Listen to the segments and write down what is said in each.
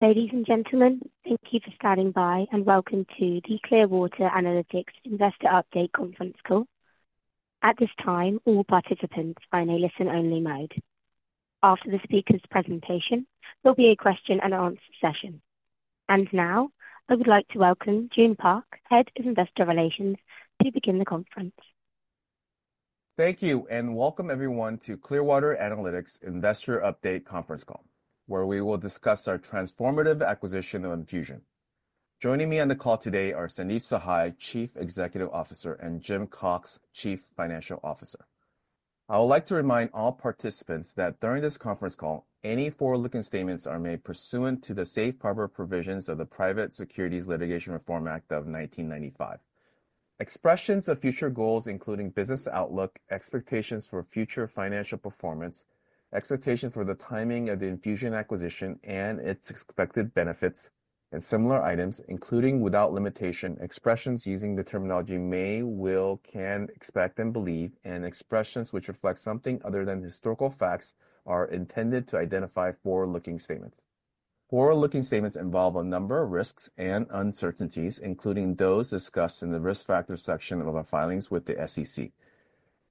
Ladies and gentlemen, thank you for standing by and welcome to the Clearwater Analytics Investor Update Conference Call. At this time, all participants are in a listen-only mode. After the speaker's presentation, there'll be a question-and-answer session. And now, I would like to welcome June Park, Head of Investor Relations, to begin the conference. Thank you, and welcome everyone to Clearwater Analytics Investor Update Conference Call, where we will discuss our transformative acquisition of Enfusion. Joining me on the call today are Sandeep Sahai, Chief Executive Officer, and Jim Cox, Chief Financial Officer. I would like to remind all participants that during this conference call, any forward-looking statements are made pursuant to the safe harbor provisions of the Private Securities Litigation Reform Act of 1995. Expressions of future goals, including business outlook, expectations for future financial performance, expectations for the timing of the Enfusion acquisition, and its expected benefits, and similar items, including without limitation, expressions using the terminology may, will, can, expect, and believe, and expressions which reflect something other than historical facts are intended to identify forward-looking statements. Forward-looking statements involve a number of risks and uncertainties, including those discussed in the risk factor section of our filings with the SEC.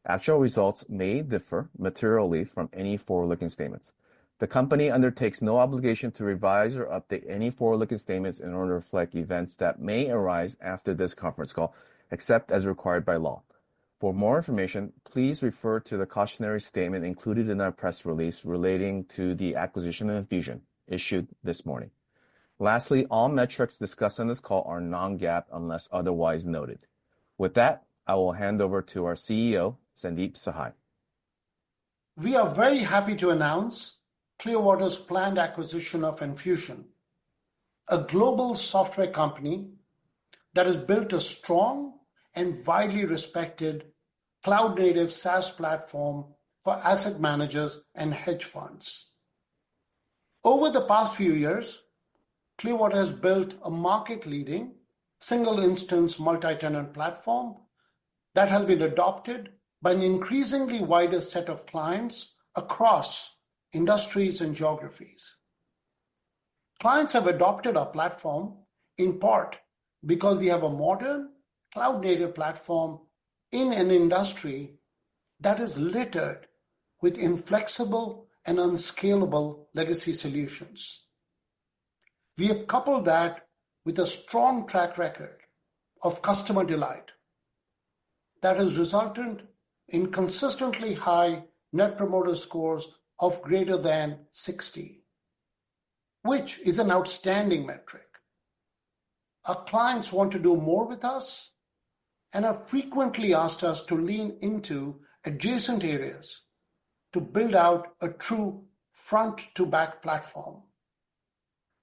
Actual results may differ materially from any forward-looking statements. The company undertakes no obligation to revise or update any forward-looking statements in order to reflect events that may arise after this conference call, except as required by law. For more information, please refer to the cautionary statement included in our press release relating to the acquisition of Enfusion issued this morning. Lastly, all metrics discussed on this call are non-GAAP unless otherwise noted. With that, I will hand over to our CEO, Sandeep Sahai. We are very happy to announce Clearwater's planned acquisition of Enfusion, a global software company that has built a strong and widely respected cloud-native SaaS platform for asset managers and hedge funds. Over the past few years, Clearwater has built a market-leading single-instance multi-tenant platform that has been adopted by an increasingly wider set of clients across industries and geographies. Clients have adopted our platform in part because we have a modern cloud-native platform in an industry that is littered with inflexible and unscalable legacy solutions. We have coupled that with a strong track record of customer delight that has resulted in consistently high Net Promoter Scores of greater than 60, which is an outstanding metric. Our clients want to do more with us and have frequently asked us to lean into adjacent areas to build out a true front-to-back platform.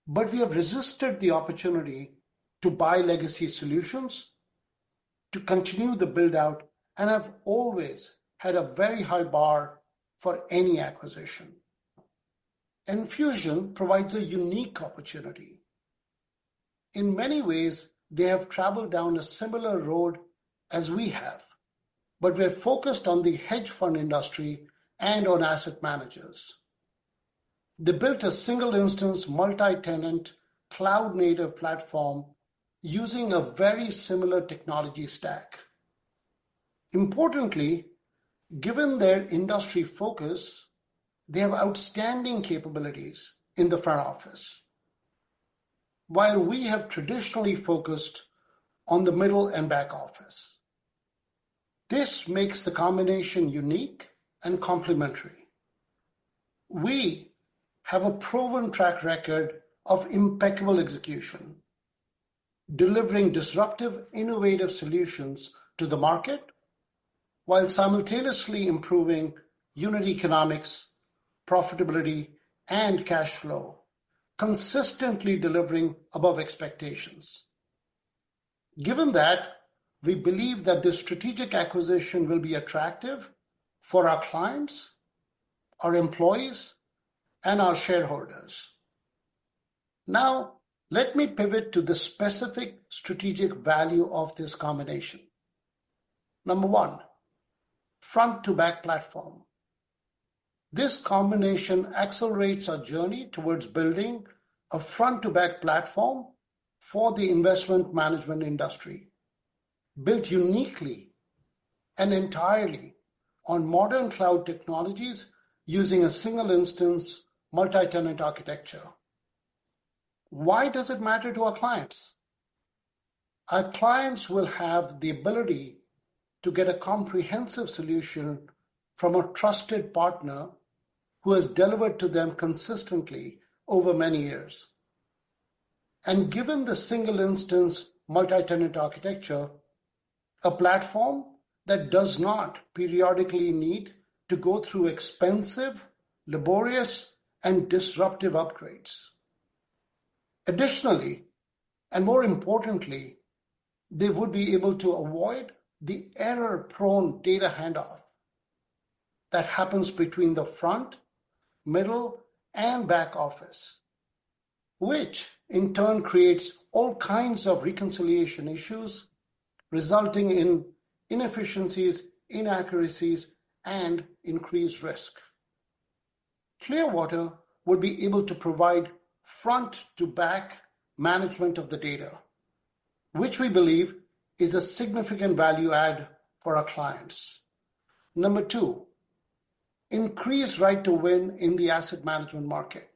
But we have resisted the opportunity to buy legacy solutions, to continue the build-out, and have always had a very high bar for any acquisition. Enfusion provides a unique opportunity. In many ways, they have traveled down a similar road as we have, but we're focused on the hedge fund industry and on asset managers. They built a single-instance multi-tenant cloud-native platform using a very similar technology stack. Importantly, given their industry focus, they have outstanding capabilities in the front office, while we have traditionally focused on the middle and back office. This makes the combination unique and complementary. We have a proven track record of impeccable execution, delivering disruptive, innovative solutions to the market while simultaneously improving unit economics, profitability, and cash flow, consistently delivering above expectations. Given that, we believe that this strategic acquisition will be attractive for our clients, our employees, and our shareholders. Now, let me pivot to the specific strategic value of this combination. Number one, front-to-back platform. This combination accelerates our journey towards building a front-to-back platform for the investment management industry, built uniquely and entirely on modern cloud technologies using a single-instance multi-tenant architecture. Why does it matter to our clients? Our clients will have the ability to get a comprehensive solution from a trusted partner who has delivered to them consistently over many years. And given the single-instance multi-tenant architecture, a platform that does not periodically need to go through expensive, laborious, and disruptive upgrades. Additionally, and more importantly, they would be able to avoid the error-prone data handoff that happens between the front, middle, and back office, which in turn creates all kinds of reconciliation issues resulting in inefficiencies, inaccuracies, and increased risk. Clearwater would be able to provide front-to-back management of the data, which we believe is a significant value add for our clients. Number two, increased right to win in the asset management market.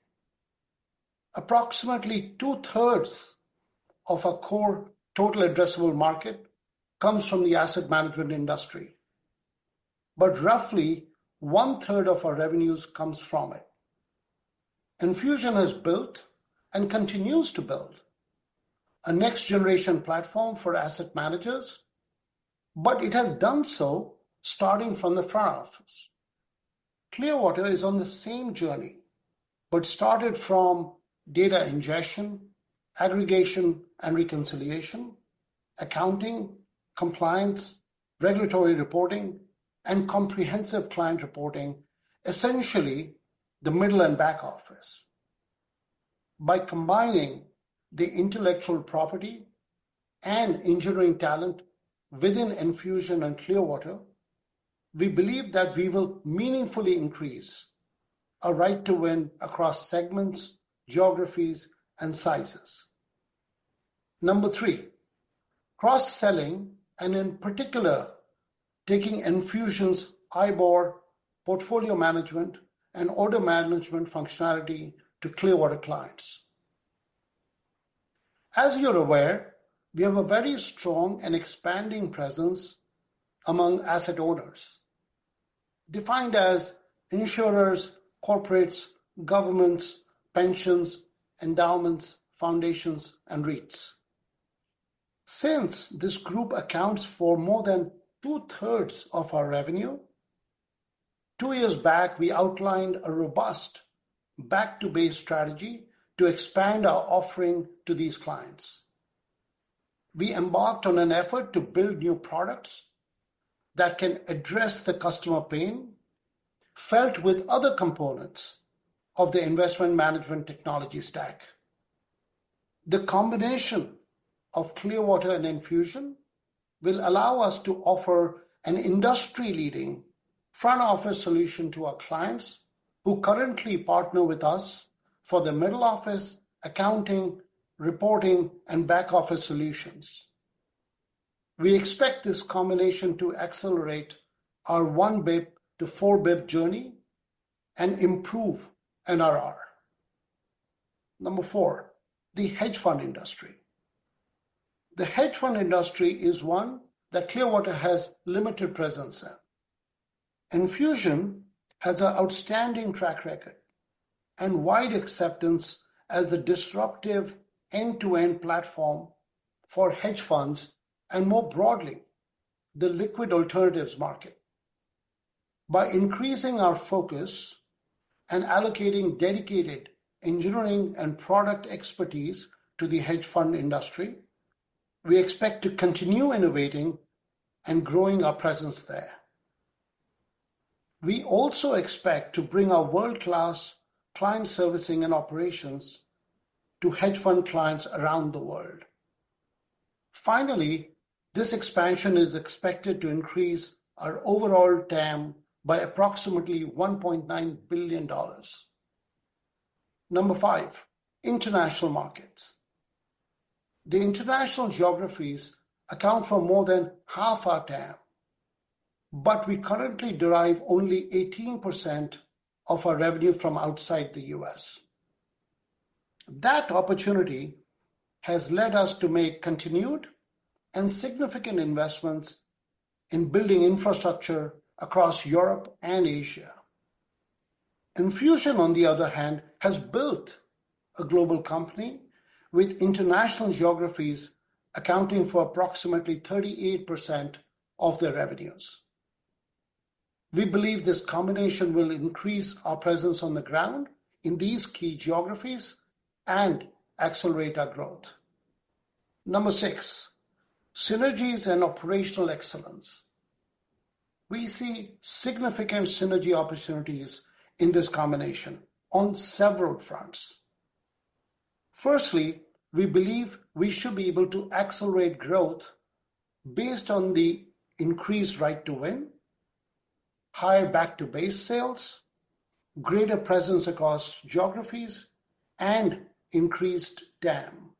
Approximately two-thirds of our core total addressable market comes from the asset management industry, but roughly one-third of our revenues comes from it. Enfusion has built and continues to build a next-generation platform for asset managers, but it has done so starting from the front office. Clearwater is on the same journey, but started from data ingestion, aggregation, and reconciliation, accounting, compliance, regulatory reporting, and comprehensive client reporting, essentially the middle and back office. By combining the intellectual property and engineering talent within Enfusion and Clearwater, we believe that we will meaningfully increase our right to win across segments, geographies, and sizes. Number three, cross-selling, and in particular, taking Enfusion's IBOR, portfolio management, and order management functionality to Clearwater clients. As you're aware, we have a very strong and expanding presence among asset owners, defined as insurers, corporates, governments, pensions, endowments, foundations, and REITs. Since this group accounts for more than two-thirds of our revenue, two years back, we outlined a robust back-to-base strategy to expand our offering to these clients. We embarked on an effort to build new products that can address the customer pain felt with other components of the investment management technology stack. The combination of Clearwater and Enfusion will allow us to offer an industry-leading front-office solution to our clients who currently partner with us for the middle office, accounting, reporting, and back-office solutions. We expect this combination to accelerate our one basis point to four basis points journey and improve NRR. Number four, the hedge fund industry. The hedge fund industry is one that Clearwater has limited presence in. Enfusion has an outstanding track record and wide acceptance as the disruptive end-to-end platform for hedge funds and more broadly, the liquid alternatives market. By increasing our focus and allocating dedicated engineering and product expertise to the hedge fund industry, we expect to continue innovating and growing our presence there. We also expect to bring our world-class client servicing and operations to hedge fund clients around the world. Finally, this expansion is expected to increase our overall TAM by approximately $1.9 billion. Number five, international markets. The international geographies account for more than half our TAM, but we currently derive only 18% of our revenue from outside the U.S. That opportunity has led us to make continued and significant investments in building infrastructure across Europe and Asia. Enfusion, on the other hand, has built a global company with international geographies accounting for approximately 38% of their revenues. We believe this combination will increase our presence on the ground in these key geographies and accelerate our growth. Number six, synergies and operational excellence. We see significant synergy opportunities in this combination on several fronts. Firstly, we believe we should be able to accelerate growth based on the increased right to win, higher back-to-base sales, greater presence across geographies, and increased TAM.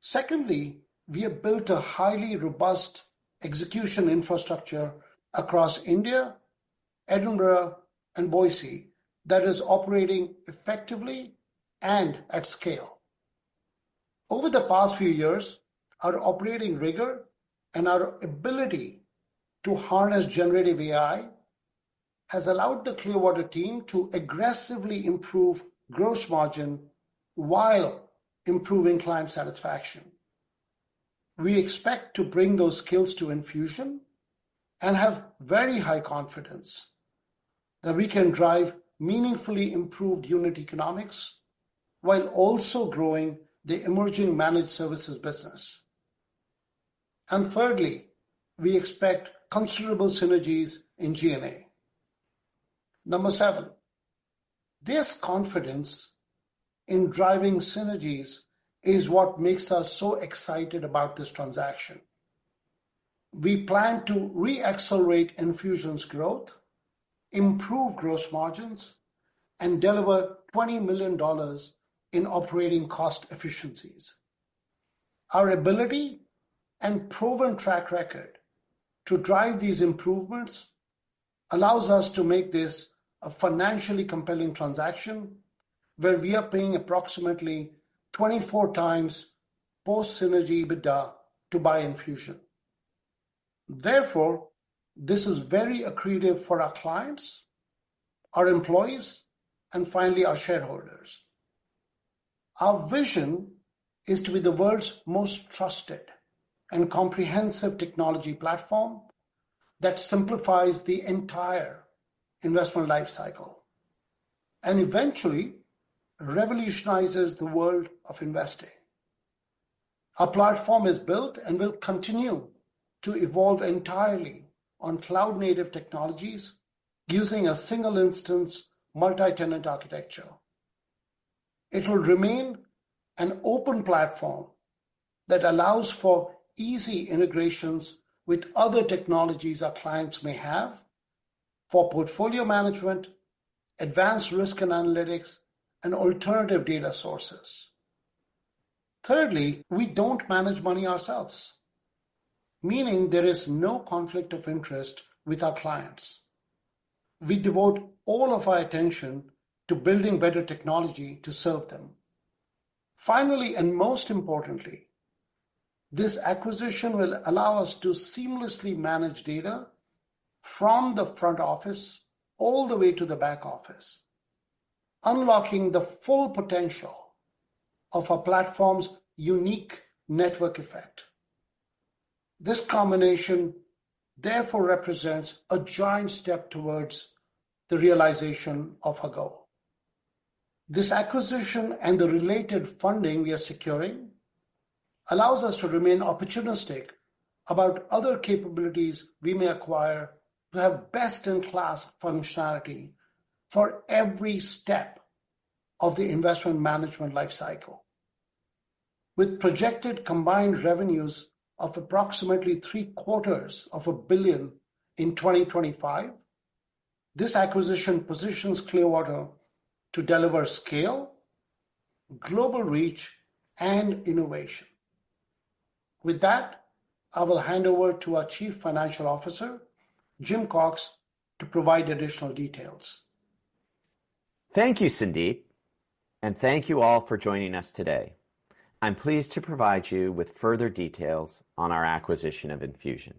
Secondly, we have built a highly robust execution infrastructure across India, Edinburgh, and Boise that is operating effectively and at scale. Over the past few years, our operating rigor and our ability to harness generative AI has allowed the Clearwater team to aggressively improve gross margin while improving client satisfaction. We expect to bring those skills to Enfusion and have very high confidence that we can drive meaningfully improved unit economics while also growing the emerging managed services business. And thirdly, we expect considerable synergies in G&A. Number seven, this confidence in driving synergies is what makes us so excited about this transaction. We plan to re-accelerate Enfusion's growth, improve gross margins, and deliver $20 million in operating cost efficiencies. Our ability and proven track record to drive these improvements allows us to make this a financially compelling transaction where we are paying approximately 24 times post-synergy EBITDA to buy Enfusion. Therefore, this is very accretive for our clients, our employees, and finally, our shareholders. Our vision is to be the world's most trusted and comprehensive technology platform that simplifies the entire investment lifecycle and eventually revolutionizes the world of investing. Our platform is built and will continue to evolve entirely on cloud-native technologies using a single-instance multi-tenant architecture. It will remain an open platform that allows for easy integrations with other technologies our clients may have for portfolio management, advanced risk and analytics, and alternative data sources. Thirdly, we don't manage money ourselves, meaning there is no conflict of interest with our clients. We devote all of our attention to building better technology to serve them. Finally, and most importantly, this acquisition will allow us to seamlessly manage data from the front office all the way to the back office, unlocking the full potential of our platform's unique network effect. This combination, therefore, represents a giant step towards the realization of our goal. This acquisition and the related funding we are securing allows us to remain opportunistic about other capabilities we may acquire to have best-in-class functionality for every step of the investment management lifecycle. With projected combined revenues of approximately $750 million in 2025, this acquisition positions Clearwater to deliver scale, global reach, and innovation. With that, I will hand over to our Chief Financial Officer, Jim Cox, to provide additional details. Thank you, Sandeep, and thank you all for joining us today. I'm pleased to provide you with further details on our acquisition of Enfusion.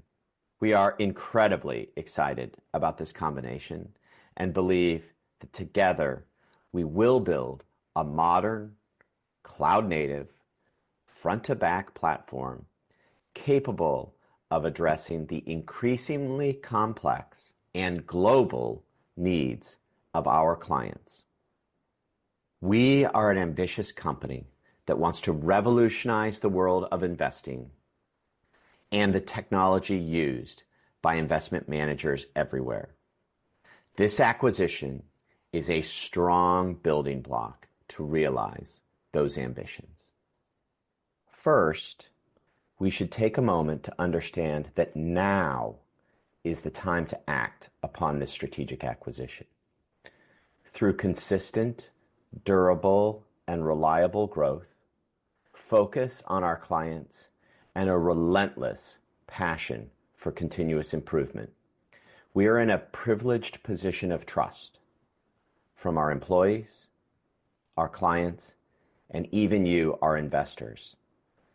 We are an ambitious company that wants to revolutionize the world of investing and the technology used by investment managers everywhere. This acquisition is a strong building block to realize those ambitions. First, we should take a moment to understand that now is the time to act upon this strategic acquisition. Through consistent, durable, and reliable growth, focus on our clients and a relentless passion for continuous improvement, we are in a privileged position of trust from our employees, our clients, and even you, our investors,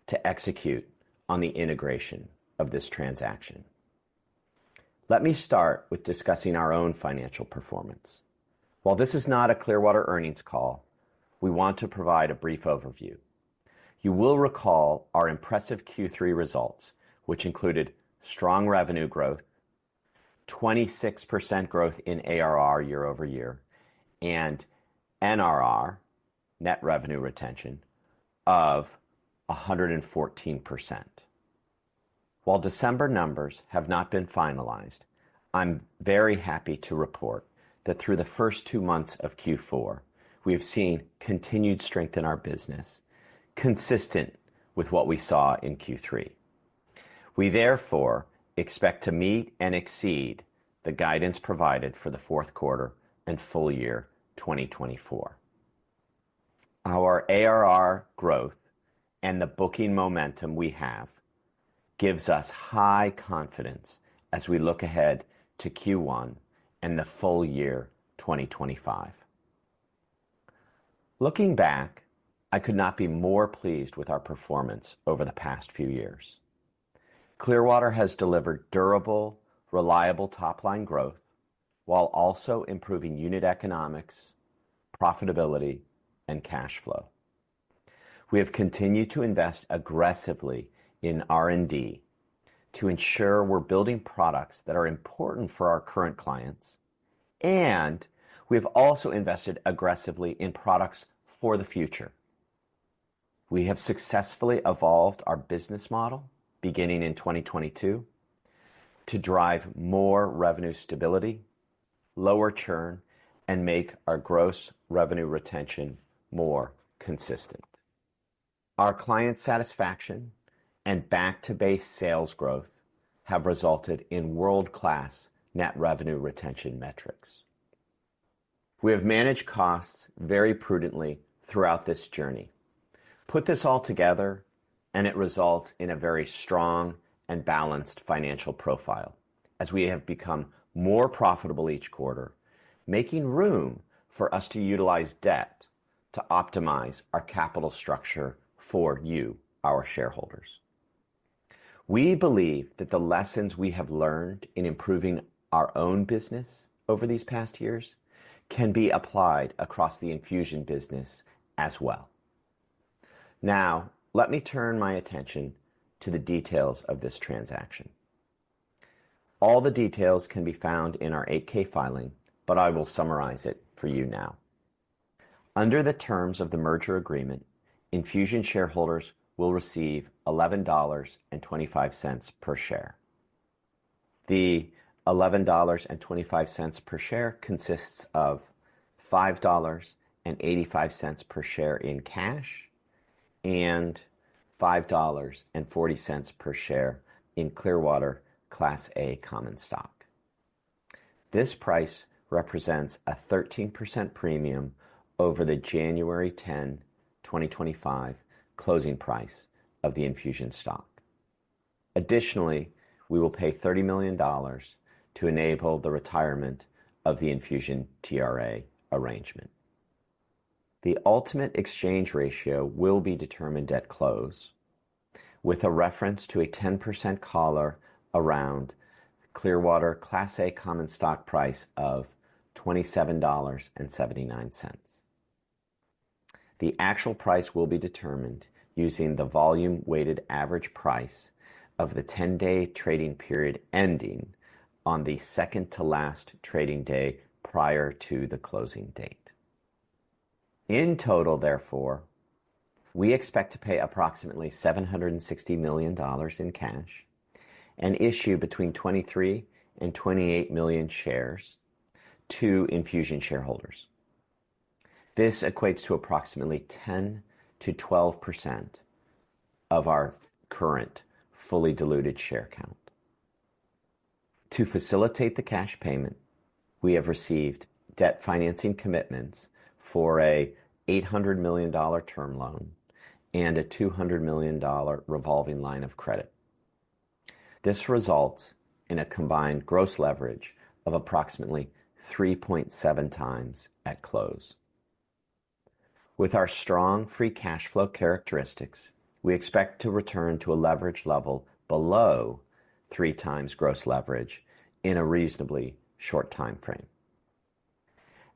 to execute on the integration of this transaction. Let me start with discussing our own financial performance. While this is not a Clearwater earnings call, we want to provide a brief overview. You will recall our impressive Q3 results, which included strong revenue growth, 26% growth in ARR year-over-year, and NRR, net revenue retention, of 114%. While December numbers have not been finalized, I'm very happy to report that through the first two months of Q4, we have seen continued strength in our business, consistent with what we saw in Q3. We, therefore, expect to meet and exceed the guidance provided for the fourth quarter and full year 2024. Our ARR growth and the booking momentum we have gives us high confidence as we look ahead to Q1 and the full year 2025. Looking back, I could not be more pleased with our performance over the past few years. Clearwater has delivered durable, reliable top-line growth while also improving unit economics, profitability, and cash flow. We have continued to invest aggressively in R&D to ensure we're building products that are important for our current clients, and we have also invested aggressively in products for the future. We have successfully evolved our business model beginning in 2022 to drive more revenue stability, lower churn, and make our gross revenue retention more consistent. Our client satisfaction and back-to-base sales growth have resulted in world-class net revenue retention metrics. We have managed costs very prudently throughout this journey. Put this all together, and it results in a very strong and balanced financial profile as we have become more profitable each quarter, making room for us to utilize debt to optimize our capital structure for you, our shareholders. We believe that the lessons we have learned in improving our own business over these past years can be applied across the Enfusion business as well. Now, let me turn my attention to the details of this transaction. All the details can be found in our 8-K filing, but I will summarize it for you now. Under the terms of the merger agreement, Enfusion shareholders will receive $11.25 per share. The $11.25 per share consists of $5.85 per share in cash and $5.40 per share in Clearwater Class A common stock. This price represents a 13% premium over the January 10, 2025 closing price of the Enfusion stock. Additionally, we will pay $30 million to enable the retirement of the Enfusion TRA arrangement. The ultimate exchange ratio will be determined at close, with a reference to a 10% collar around Clearwater Class A common stock price of $27.79. The actual price will be determined using the volume-weighted average price of the 10-day trading period ending on the second-to-last trading day prior to the closing date. In total, therefore, we expect to pay approximately $760 million in cash and issue between 23 and 28 million shares to Enfusion shareholders. This equates to approximately 10%-12% of our current fully diluted share count. To facilitate the cash payment, we have received debt financing commitments for an $800 million term loan and a $200 million revolving line of credit. This results in a combined gross leverage of approximately 3.7 times at close. With our strong free cash flow characteristics, we expect to return to a leverage level below three times gross leverage in a reasonably short timeframe.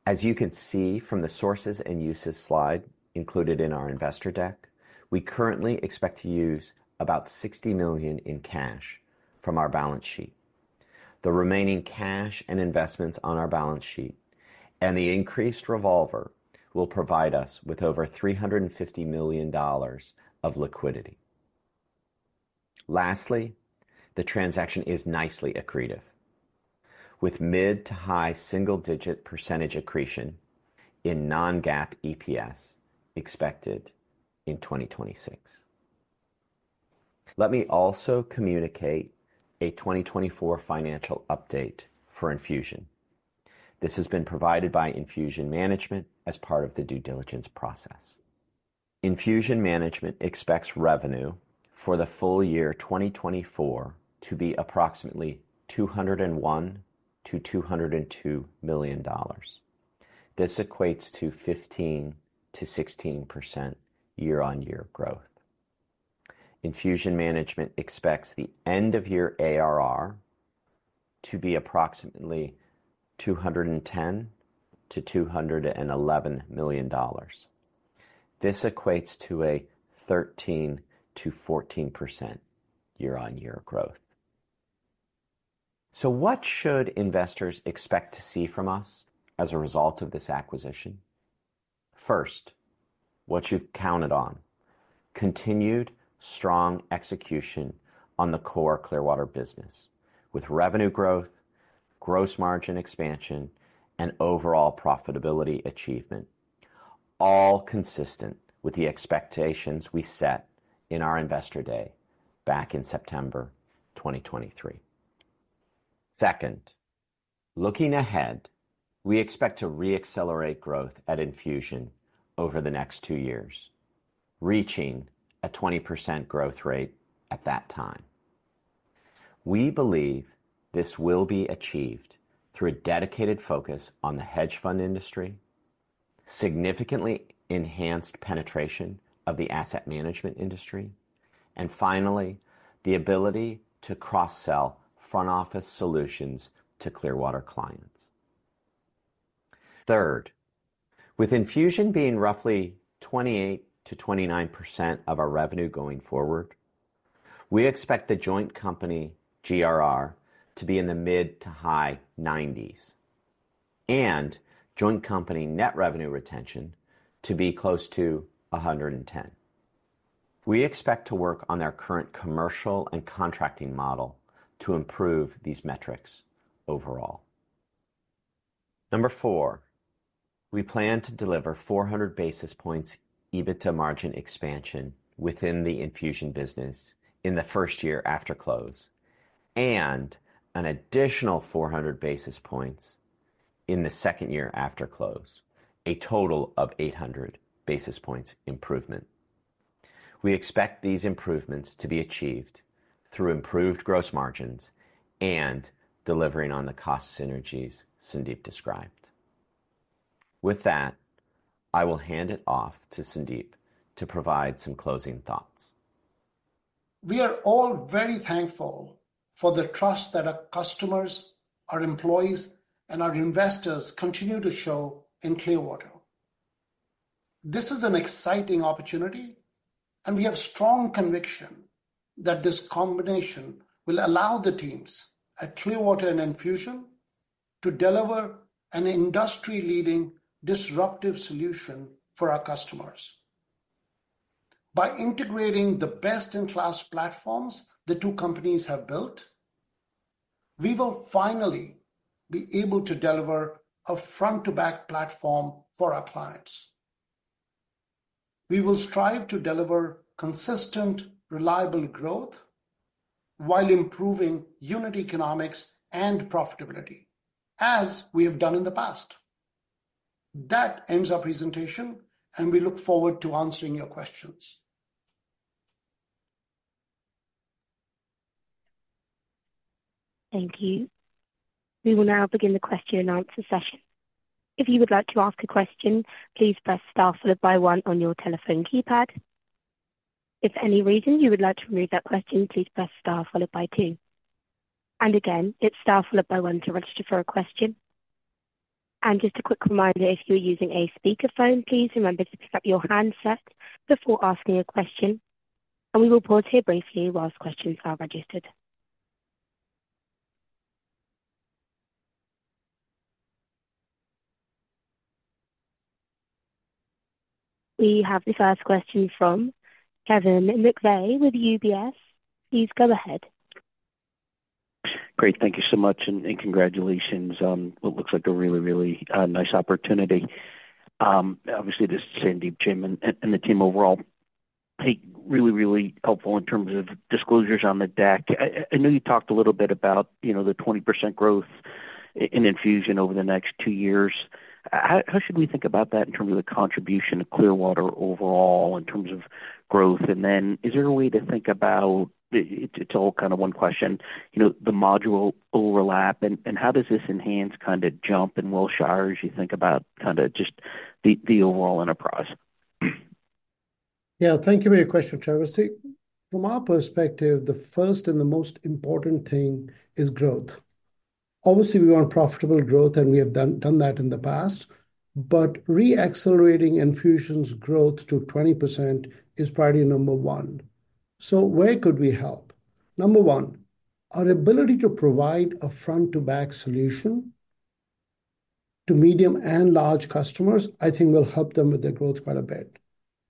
As you can see from the sources and uses slide included in our investor deck, we currently expect to use about $60 million in cash from our balance sheet. The remaining cash and investments on our balance sheet and the increased revolver will provide us with over $350 million of liquidity. Lastly, the transaction is nicely accretive, with mid to high single-digit percentage accretion in non-GAAP EPS expected in 2026. Let me also communicate a 2024 financial update for Enfusion. This has been provided by Enfusion management as part of the due diligence process. Enfusion management expects revenue for the full year 2024 to be approximately $201-$202 million. This equates to 15%-16% year-on-year growth. Enfusion management expects the end-of-year ARR to be approximately $210-$211 million. This equates to a 13%-14% year-on-year growth. So what should investors expect to see from us as a result of this acquisition? First, what you've counted on: continued strong execution on the core Clearwater business with revenue growth, gross margin expansion, and overall profitability achievement, all consistent with the expectations we set in our investor day back in September 2023. Second, looking ahead, we expect to re-accelerate growth at Enfusion over the next two years, reaching a 20% growth rate at that time. We believe this will be achieved through a dedicated focus on the hedge fund industry, significantly enhanced penetration of the asset management industry, and finally, the ability to cross-sell front-office solutions to Clearwater clients. Third, with Enfusion being roughly 28%-29% of our revenue going forward, we expect the joint company GRR to be in the mid to high 90s and joint company net revenue retention to be close to 110. We expect to work on our current commercial and contracting model to improve these metrics overall. Number four, we plan to deliver 400 basis points EBITDA margin expansion within the Enfusion business in the first year after close and an additional 400 basis points in the second year after close, a total of 800 basis points improvement. We expect these improvements to be achieved through improved gross margins and delivering on the cost synergies Sandeep described. With that, I will hand it off to Sandeep to provide some closing thoughts. We are all very thankful for the trust that our customers, our employees, and our investors continue to show in Clearwater. This is an exciting opportunity, and we have strong conviction that this combination will allow the teams at Clearwater and Enfusion to deliver an industry-leading disruptive solution for our customers. By integrating the best-in-class platforms the two companies have built, we will finally be able to deliver a front-to-back platform for our clients. We will strive to deliver consistent, reliable growth while improving unit economics and profitability, as we have done in the past. That ends our presentation, and we look forward to answering your questions. Thank you. We will now begin the question and answer session. If you would like to ask a question, please press star followed by one on your telephone keypad. If for any reason you would like to remove that question, please press star followed by two. And again, it's star followed by one to register for a question. And just a quick reminder, if you're using a speakerphone, please remember to pick up your handset before asking a question, and we will pause here briefly while questions are registered. We have the first question from Kevin McVeigh with UBS. Please go ahead. Great. Thank you so much, and congratulations on what looks like a really, really nice opportunity. Obviously, this is Sandeep Sahai and the team overall. Hey, really, really helpful in terms of disclosures on the deck. I know you talked a little bit about the 20% growth in Enfusion over the next two years. How should we think about that in terms of the contribution of Clearwater overall in terms of growth? Then is there a way to think about it's all kind of one question, the module overlap, and how does this enhance kind of Jump and Wilshire as you think about kind of just the overall enterprise? Yeah, thank you for your question, Traversey. From our perspective, the first and the most important thing is growth. Obviously, we want profitable growth, and we have done that in the past, but re-accelerating Enfusion's growth to 20% is probably number one. So where could we help? Number one, our ability to provide a front-to-back solution to medium and large customers, I think, will help them with their growth quite a bit.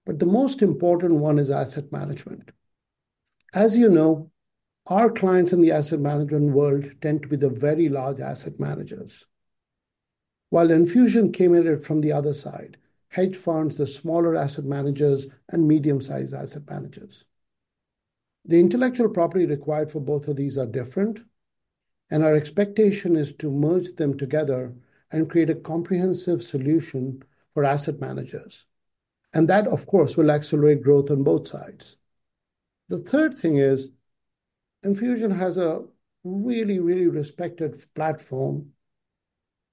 But the most important one is asset management. As you know, our clients in the asset management world tend to be the very large asset managers, while Enfusion came at it from the other side, hedge funds, the smaller asset managers, and medium-sized asset managers. The intellectual property required for both of these is different, and our expectation is to merge them together and create a comprehensive solution for asset managers. That, of course, will accelerate growth on both sides. The third thing is Enfusion has a really, really respected platform,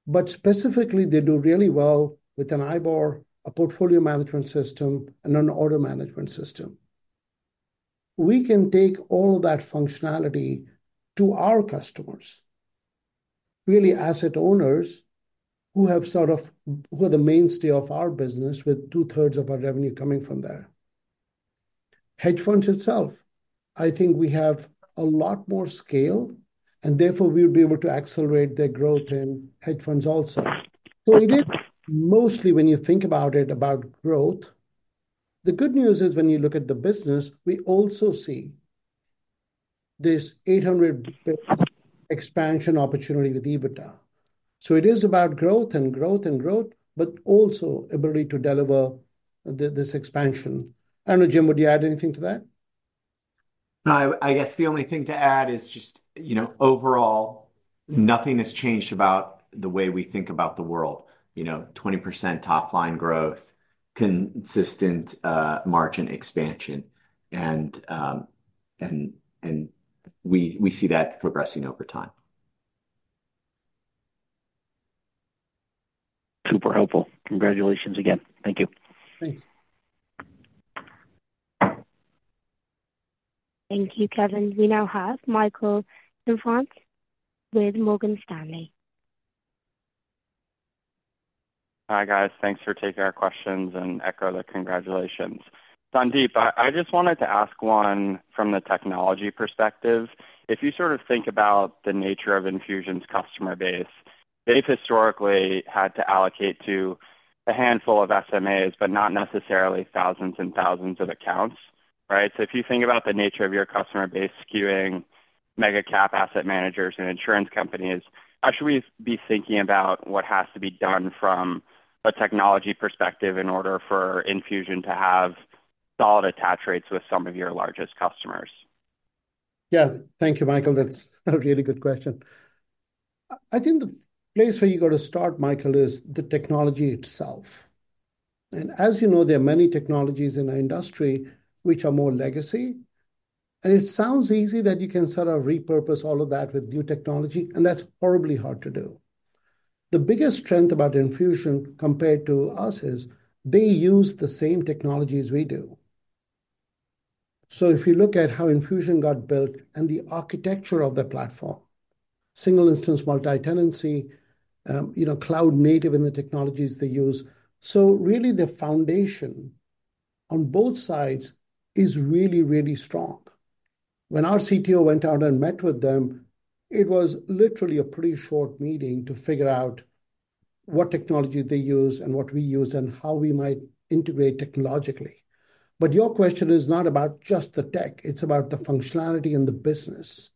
but specifically, they do really well with an IBOR, a portfolio management system, and an order management system. We can take all of that functionality to our customers, really asset owners who are the mainstay of our business, with two-thirds of our revenue coming from there. Hedge funds itself, I think we have a lot more scale, and therefore, we would be able to accelerate their growth in hedge funds also. So it is mostly, when you think about it, about growth. The good news is, when you look at the business, we also see this 800 basis points expansion opportunity with EBITDA. So it is about growth and growth and growth, but also ability to deliver this expansion. I don't know, Jim, would you add anything to that? I guess the only thing to add is just overall, nothing has changed about the way we think about the world. 20% top-line growth, consistent margin expansion, and we see that progressing over time. Super helpful. Congratulations again. Thank you. Thanks. Thank you, Kevin. We now have Michael Infante with Morgan Stanley. Hi, guys. Thanks for taking our questions, and echo the congratulations. Sandeep, I just wanted to ask one from the technology perspective. If you sort of think about the nature of Enfusion's customer base, they've historically had to allocate to a handful of SMAs, but not necessarily thousands and thousands of accounts, right? So if you think about the nature of your customer base skewing mega-cap asset managers and insurance companies, how should we be thinking about what has to be done from a technology perspective in order for Enfusion to have solid attach rates with some of your largest customers? Yeah, thank you, Michael. That's a really good question. I think the place where you got to start, Michael, is the technology itself. And as you know, there are many technologies in our industry which are more legacy, and it sounds easy that you can sort of repurpose all of that with new technology, and that's horribly hard to do. The biggest strength about Enfusion compared to us is they use the same technologies we do. So if you look at how Enfusion got built and the architecture of the platform, single-instance multi-tenancy, cloud-native in the technologies they use, so really the foundation on both sides is really, really strong. When our CTO went out and met with them, it was literally a pretty short meeting to figure out what technology they use and what we use and how we might integrate technologically. But your question is not about just the tech. It's about the functionality and the business.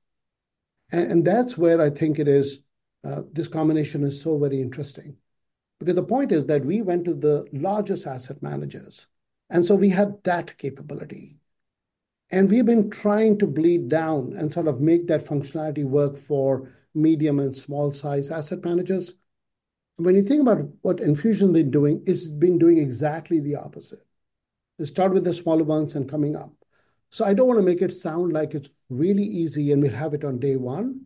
And that's where I think it is this combination is so very interesting. Because the point is that we went to the largest asset managers, and so we had that capability. And we've been trying to bleed down and sort of make that functionality work for medium and small-sized asset managers. And when you think about what Enfusion has been doing, it's been doing exactly the opposite. It started with the smaller ones and coming up. So I don't want to make it sound like it's really easy and we have it on day one.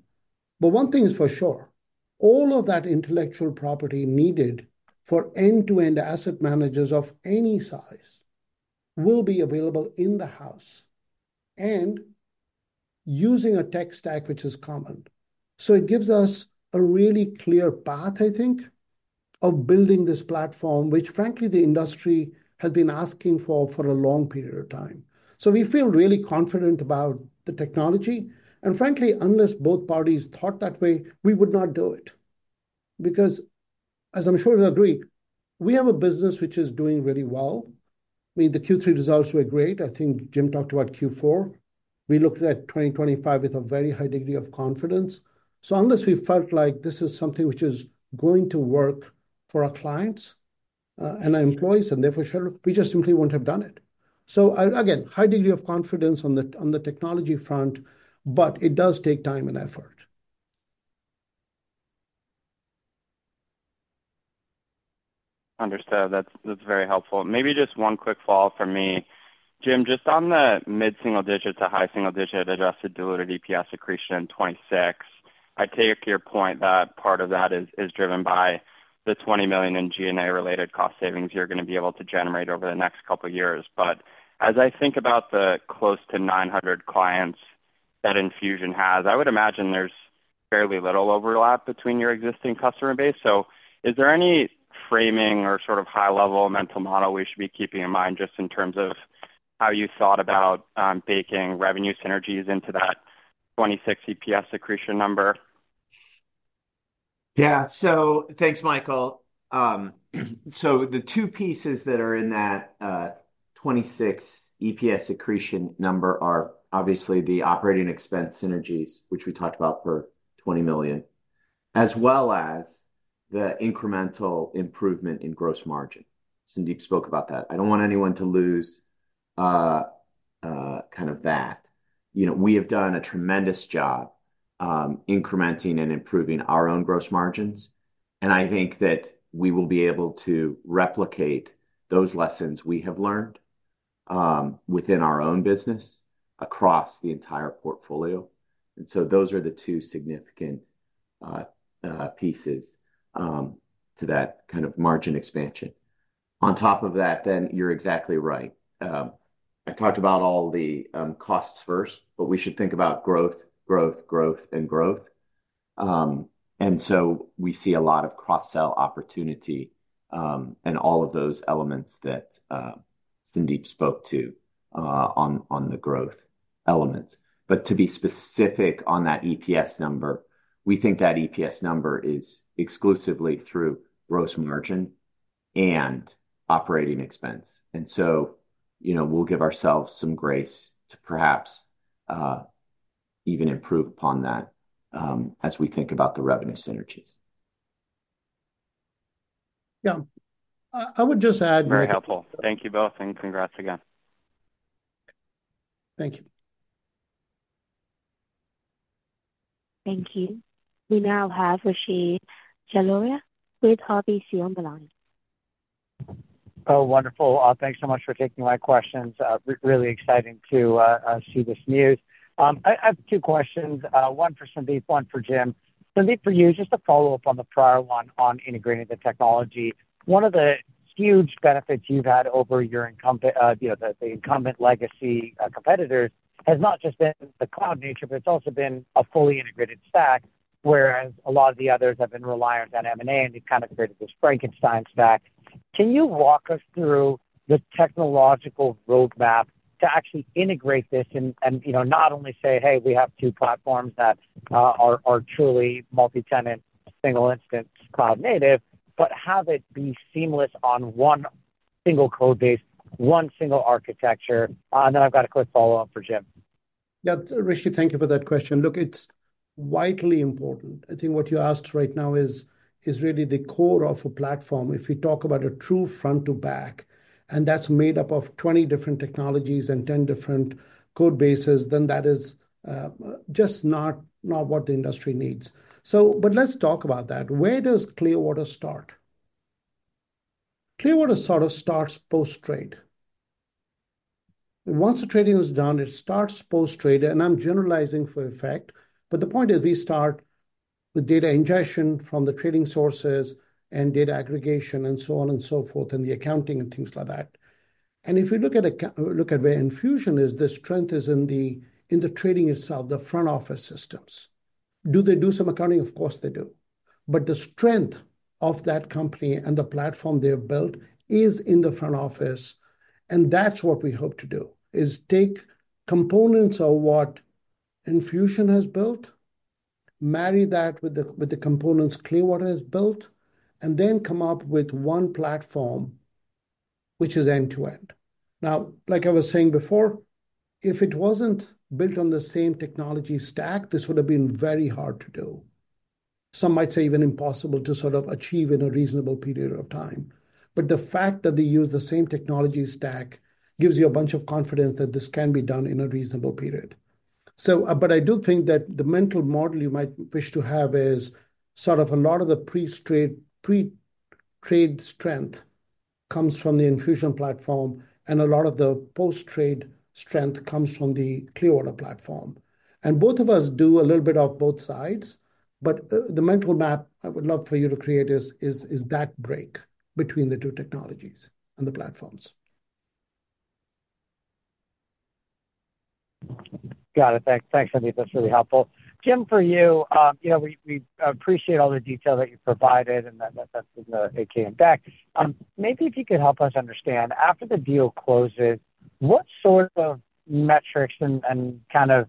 But one thing is for sure. All of that intellectual property needed for end-to-end asset managers of any size will be available in the house and using a tech stack, which is common. So it gives us a really clear path, I think, of building this platform, which frankly, the industry has been asking for a long period of time. So we feel really confident about the technology. And frankly, unless both parties thought that way, we would not do it. Because, as I'm sure you'll agree, we have a business which is doing really well. I mean, the Q3 results were great. I think Jim talked about Q4. We looked at 2025 with a very high degree of confidence. So unless we felt like this is something which is going to work for our clients and our employees and their foreshadowing, we just simply wouldn't have done it. So again, high degree of confidence on the technology front, but it does take time and effort. Understood. That's very helpful. Maybe just one quick follow-up for me. Jim, just on the mid-single digit to high single digit adjusted diluted EPS accretion in 2026, I take your point that part of that is driven by the $20 million in G&A-related cost savings you're going to be able to generate over the next couple of years. But as I think about the close to 900 clients that Enfusion has, I would imagine there's fairly little overlap between your existing customer base. So is there any framing or sort of high-level mental model we should be keeping in mind just in terms of how you thought about baking revenue synergies into that 26 EPS accretion number? Yeah. So thanks, Michael. So the two pieces that are in that 26 EPS accretion number are obviously the operating expense synergies, which we talked about for $20 million, as well as the incremental improvement in gross margin. Sandeep spoke about that. I don't want anyone to lose kind of that. We have done a tremendous job incrementing and improving our own gross margins. And I think that we will be able to replicate those lessons we have learned within our own business across the entire portfolio. And so those are the two significant pieces to that kind of margin expansion. On top of that, then you're exactly right. I talked about all the costs first, but we should think about growth, growth, growth, and growth. We see a lot of cross-sell opportunity and all of those elements that Sandeep spoke to on the growth elements. To be specific on that EPS number, we think that EPS number is exclusively through gross margin and operating expense. We'll give ourselves some grace to perhaps even improve upon that as we think about the revenue synergies. Yeah. I would just add. Very helpful. Thank you both, and congrats again. Thank you. Thank you. We now have Rishi Jaluria with RBC on the line. Oh, wonderful. Thanks so much for taking my questions. Really exciting to see this news. I have two questions, one for Sandeep, one for Jim. Sandeep, for you, just a follow-up on the prior one on integrating the technology. One of the huge benefits you've had over the incumbent legacy competitors has not just been the cloud nature, but it's also been a fully integrated stack, whereas a lot of the others have been reliant on M&A and they've kind of created this Frankenstein stack. Can you walk us through the technological roadmap to actually integrate this and not only say, "Hey, we have two platforms that are truly multi-tenant, single-instance, cloud-native," but have it be seamless on one single code base, one single architecture? And then I've got a quick follow-up for Jim. Yeah, Rishi, thank you for that question. Look, it's vitally important. I think what you asked right now is really the core of a platform. If we talk about a true front-to-back, and that's made up of 20 different technologies and 10 different code bases, then that is just not what the industry needs. But let's talk about that. Where does Clearwater start? Clearwater sort of starts post-trade. Once the trading is done, it starts post-trade, and I'm generalizing for effect. But the point is we start with data ingestion from the trading sources and data aggregation and so on and so forth and the accounting and things like that. And if you look at where Enfusion is, the strength is in the trading itself, the front-office systems. Do they do some accounting? Of course, they do. But the strength of that company and the platform they have built is in the front office. And that's what we hope to do, is take components of what Enfusion has built, marry that with the components Clearwater has built, and then come up with one platform which is end-to-end. Now, like I was saying before, if it wasn't built on the same technology stack, this would have been very hard to do. Some might say even impossible to sort of achieve in a reasonable period of time. But the fact that they use the same technology stack gives you a bunch of confidence that this can be done in a reasonable period. But I do think that the mental model you might wish to have is sort of a lot of the pre-trade strength comes from the Enfusion platform, and a lot of the post-trade strength comes from the Clearwater platform. And both of us do a little bit of both sides, but the mental map I would love for you to create is that break between the two technologies and the platforms. Got it. Thanks, Sandeep. That's really helpful. Jim, for you, we appreciate all the detail that you provided, and that's in the 10-K in back. Maybe if you could help us understand, after the deal closes, what sort of metrics and kind of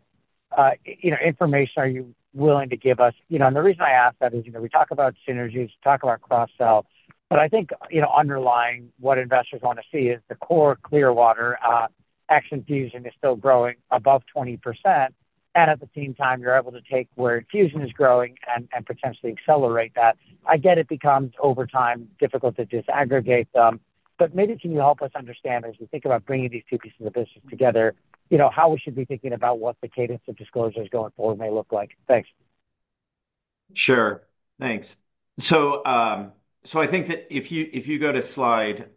information are you willing to give us? And the reason I ask that is we talk about synergies, we talk about cross-sell. But I think underlying what investors want to see is the core Clearwater ex-Enfusion is still growing above 20%. And at the same time, you're able to take where Enfusion is growing and potentially accelerate that. I get it becomes over time difficult to disaggregate them. But maybe can you help us understand, as we think about bringing these two pieces of the business together, how we should be thinking about what the cadence of disclosures going forward may look like? Thanks. Sure. Thanks. So I think that if you go to slide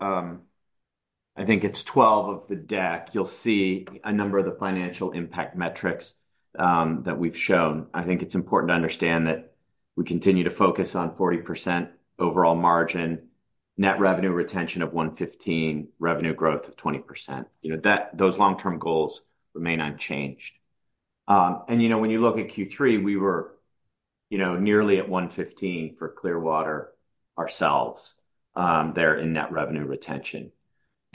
12 of the deck, you'll see a number of the financial impact metrics that we've shown. I think it's important to understand that we continue to focus on 40% overall margin, net revenue retention of 115%, revenue growth of 20%. Those long-term goals remain unchanged. And when you look at Q3, we were nearly at 115% for Clearwater ourselves there in net revenue retention.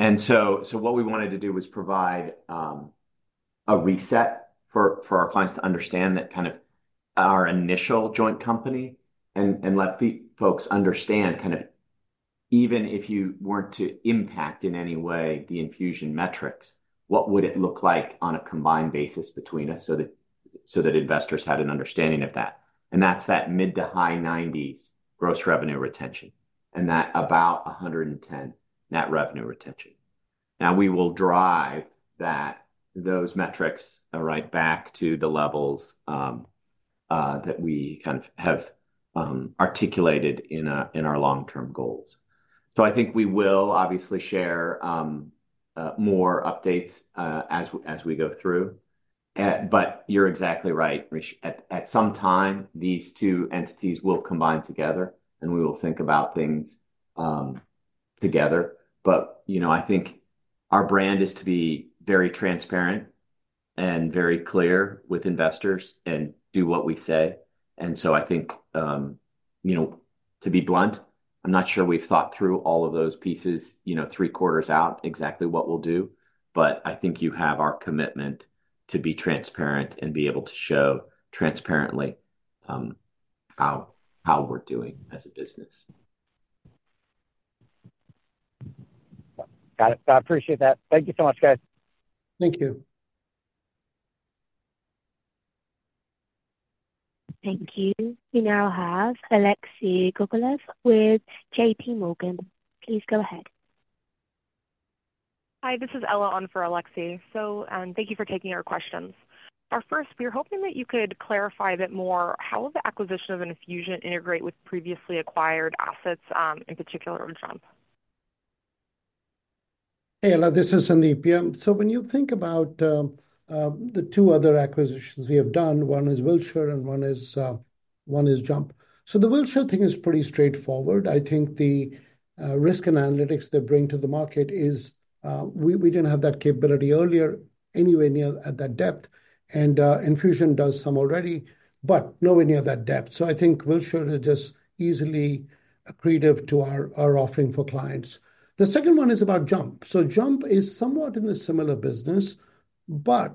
And so what we wanted to do was provide a reset for our clients to understand that kind of our initial joint company and let folks understand kind of even if you weren't to impact in any way the Enfusion metrics, what would it look like on a combined basis between us so that investors had an understanding of that. And that's that mid- to high-90s gross revenue retention and that's about 110 net revenue retention. Now, we will drive those metrics right back to the levels that we kind of have articulated in our long-term goals. So I think we will obviously share more updates as we go through. But you're exactly right, Rishi. At some time, these two entities will combine together, and we will think about things together. But I think our brand is to be very transparent and very clear with investors and do what we say. And so I think, to be blunt, I'm not sure we've thought through all of those pieces three quarters out exactly what we'll do. But I think you have our commitment to be transparent and be able to show transparently how we're doing as a business. Got it. I appreciate that. Thank you so much, guys. Thank you. Thank you. We now have Alexei Gogolev with J.P. Morgan. Please go ahead. Hi, this is Ella on for Alexei. So thank you for taking our questions. Our first, we were hoping that you could clarify a bit more how the acquisition of Enfusion integrates with previously acquired assets, in particular, of Jump. Hey, Ella, this is Sandeep here. So when you think about the two other acquisitions we have done, one is Wilshire and one is Jump. So the Wilshire thing is pretty straightforward. I think the risk and analytics they bring to the market is we didn't have that capability earlier anywhere near at that depth. And Enfusion does some already, but nowhere near that depth. So I think Wilshire is just easily accreted to our offering for clients. The second one is about Jump. So Jump is somewhat in a similar business, but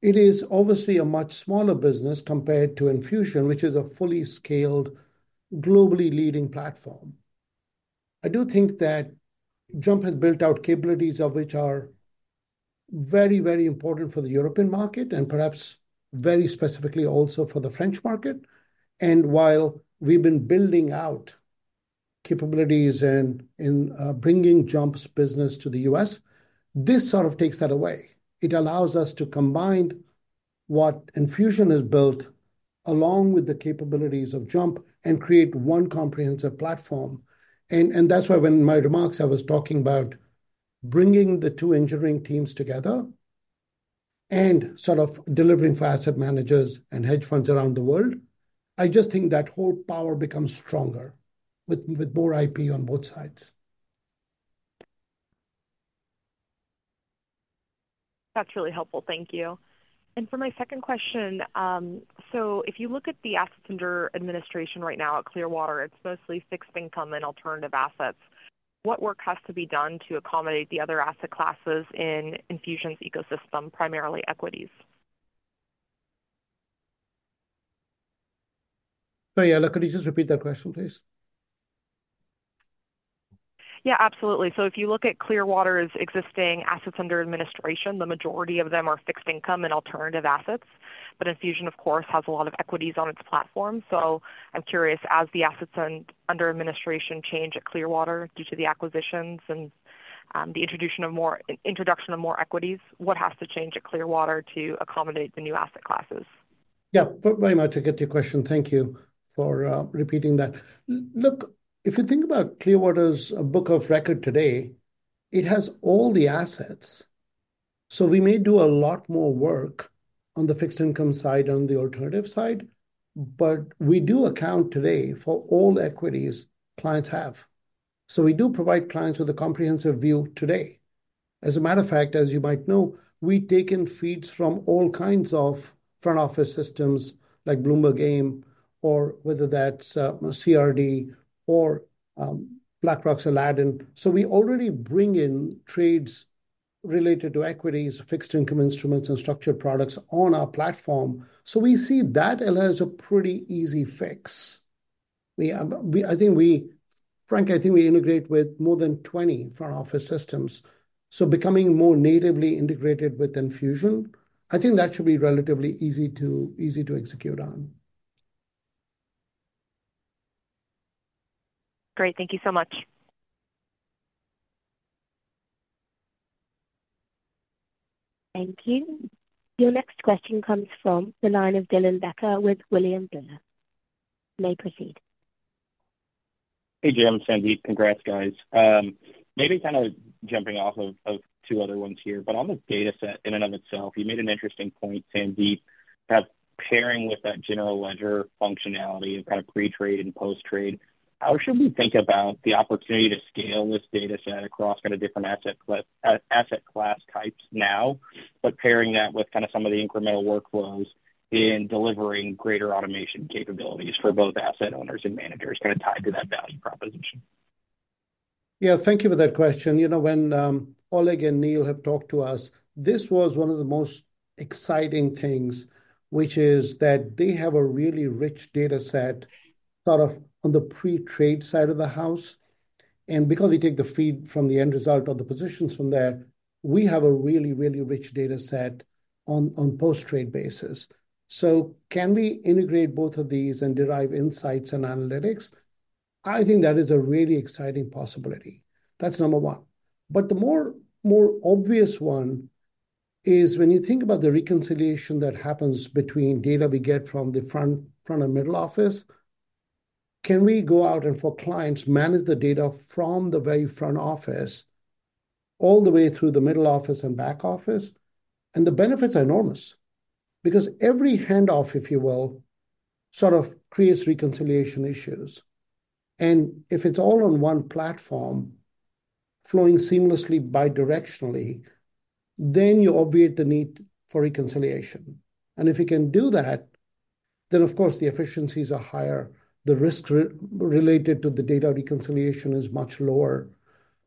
it is obviously a much smaller business compared to Enfusion, which is a fully scaled, globally leading platform. I do think that Jump has built out capabilities of which are very, very important for the European market and perhaps very specifically also for the French market, and while we've been building out capabilities and bringing Jump's business to the U.S., this sort of takes that away. It allows us to combine what Enfusion has built along with the capabilities of Jump and create one comprehensive platform. And that's why when my remarks, I was talking about bringing the two engineering teams together and sort of delivering for asset managers and hedge funds around the world, I just think that whole power becomes stronger with more IP on both sides. That's really helpful. Thank you. And for my second question, so if you look at the assets under administration right now at Clearwater, it's mostly fixed income and alternative assets. What work has to be done to accommodate the other asset classes in Enfusion's ecosystem, primarily equities? So yeah, could you just repeat that question, please? Yeah, absolutely. So if you look at Clearwater's existing assets under administration, the majority of them are fixed income and alternative assets. But Enfusion, of course, has a lot of equities on its platform. So I'm curious, as the assets under administration change at Clearwater due to the acquisitions and the introduction of more equities, what has to change at Clearwater to accommodate the new asset classes? Yeah, very much I get your question. Thank you for repeating that. Look, if you think about Clearwater's book of record today, it has all the assets. So we may do a lot more work on the fixed income side and the alternative side, but we do account today for all equities clients have. So we do provide clients with a comprehensive view today. As a matter of fact, as you might know, we take in feeds from all kinds of front-office systems like Bloomberg AIM or whether that's CRD or BlackRock's Aladdin. So we already bring in trades related to equities, fixed income instruments, and structured products on our platform. So we see that allows a pretty easy fix. I think we, Frank, I think we integrate with more than 20 front-office systems. So becoming more natively integrated with Enfusion, I think that should be relatively easy to execute on. Great. Thank you so much. Thank you. Your next question comes from the line of Dylan Becker with William Blair. May proceed. Hey, Jim. Sandeep, congrats, guys. Maybe kind of jumping off of two other ones here, but on the data set in and of itself, you made an interesting point, Sandeep, that pairing with that general ledger functionality of kind of pre-trade and post-trade, how should we think about the opportunity to scale this data set across kind of different asset class types now, but pairing that with kind of some of the incremental workflows in delivering greater automation capabilities for both asset owners and managers kind of tied to that value proposition? Yeah, thank you for that question. When Oleg and Neal have talked to us, this was one of the most exciting things, which is that they have a really rich data set sort of on the pre-trade side of the house. And because we take the feed from the end result of the positions from there, we have a really, really rich data set on post-trade basis. So can we integrate both of these and derive insights and analytics? I think that is a really exciting possibility. That's number one. But the more obvious one is when you think about the reconciliation that happens between data we get from the front and middle office, can we go out and for clients manage the data from the very front office all the way through the middle office and back office? And the benefits are enormous because every handoff, if you will, sort of creates reconciliation issues. And if it's all on one platform flowing seamlessly bidirectionally, then you obviate the need for reconciliation. And if you can do that, then, of course, the efficiencies are higher. The risk related to the data reconciliation is much lower.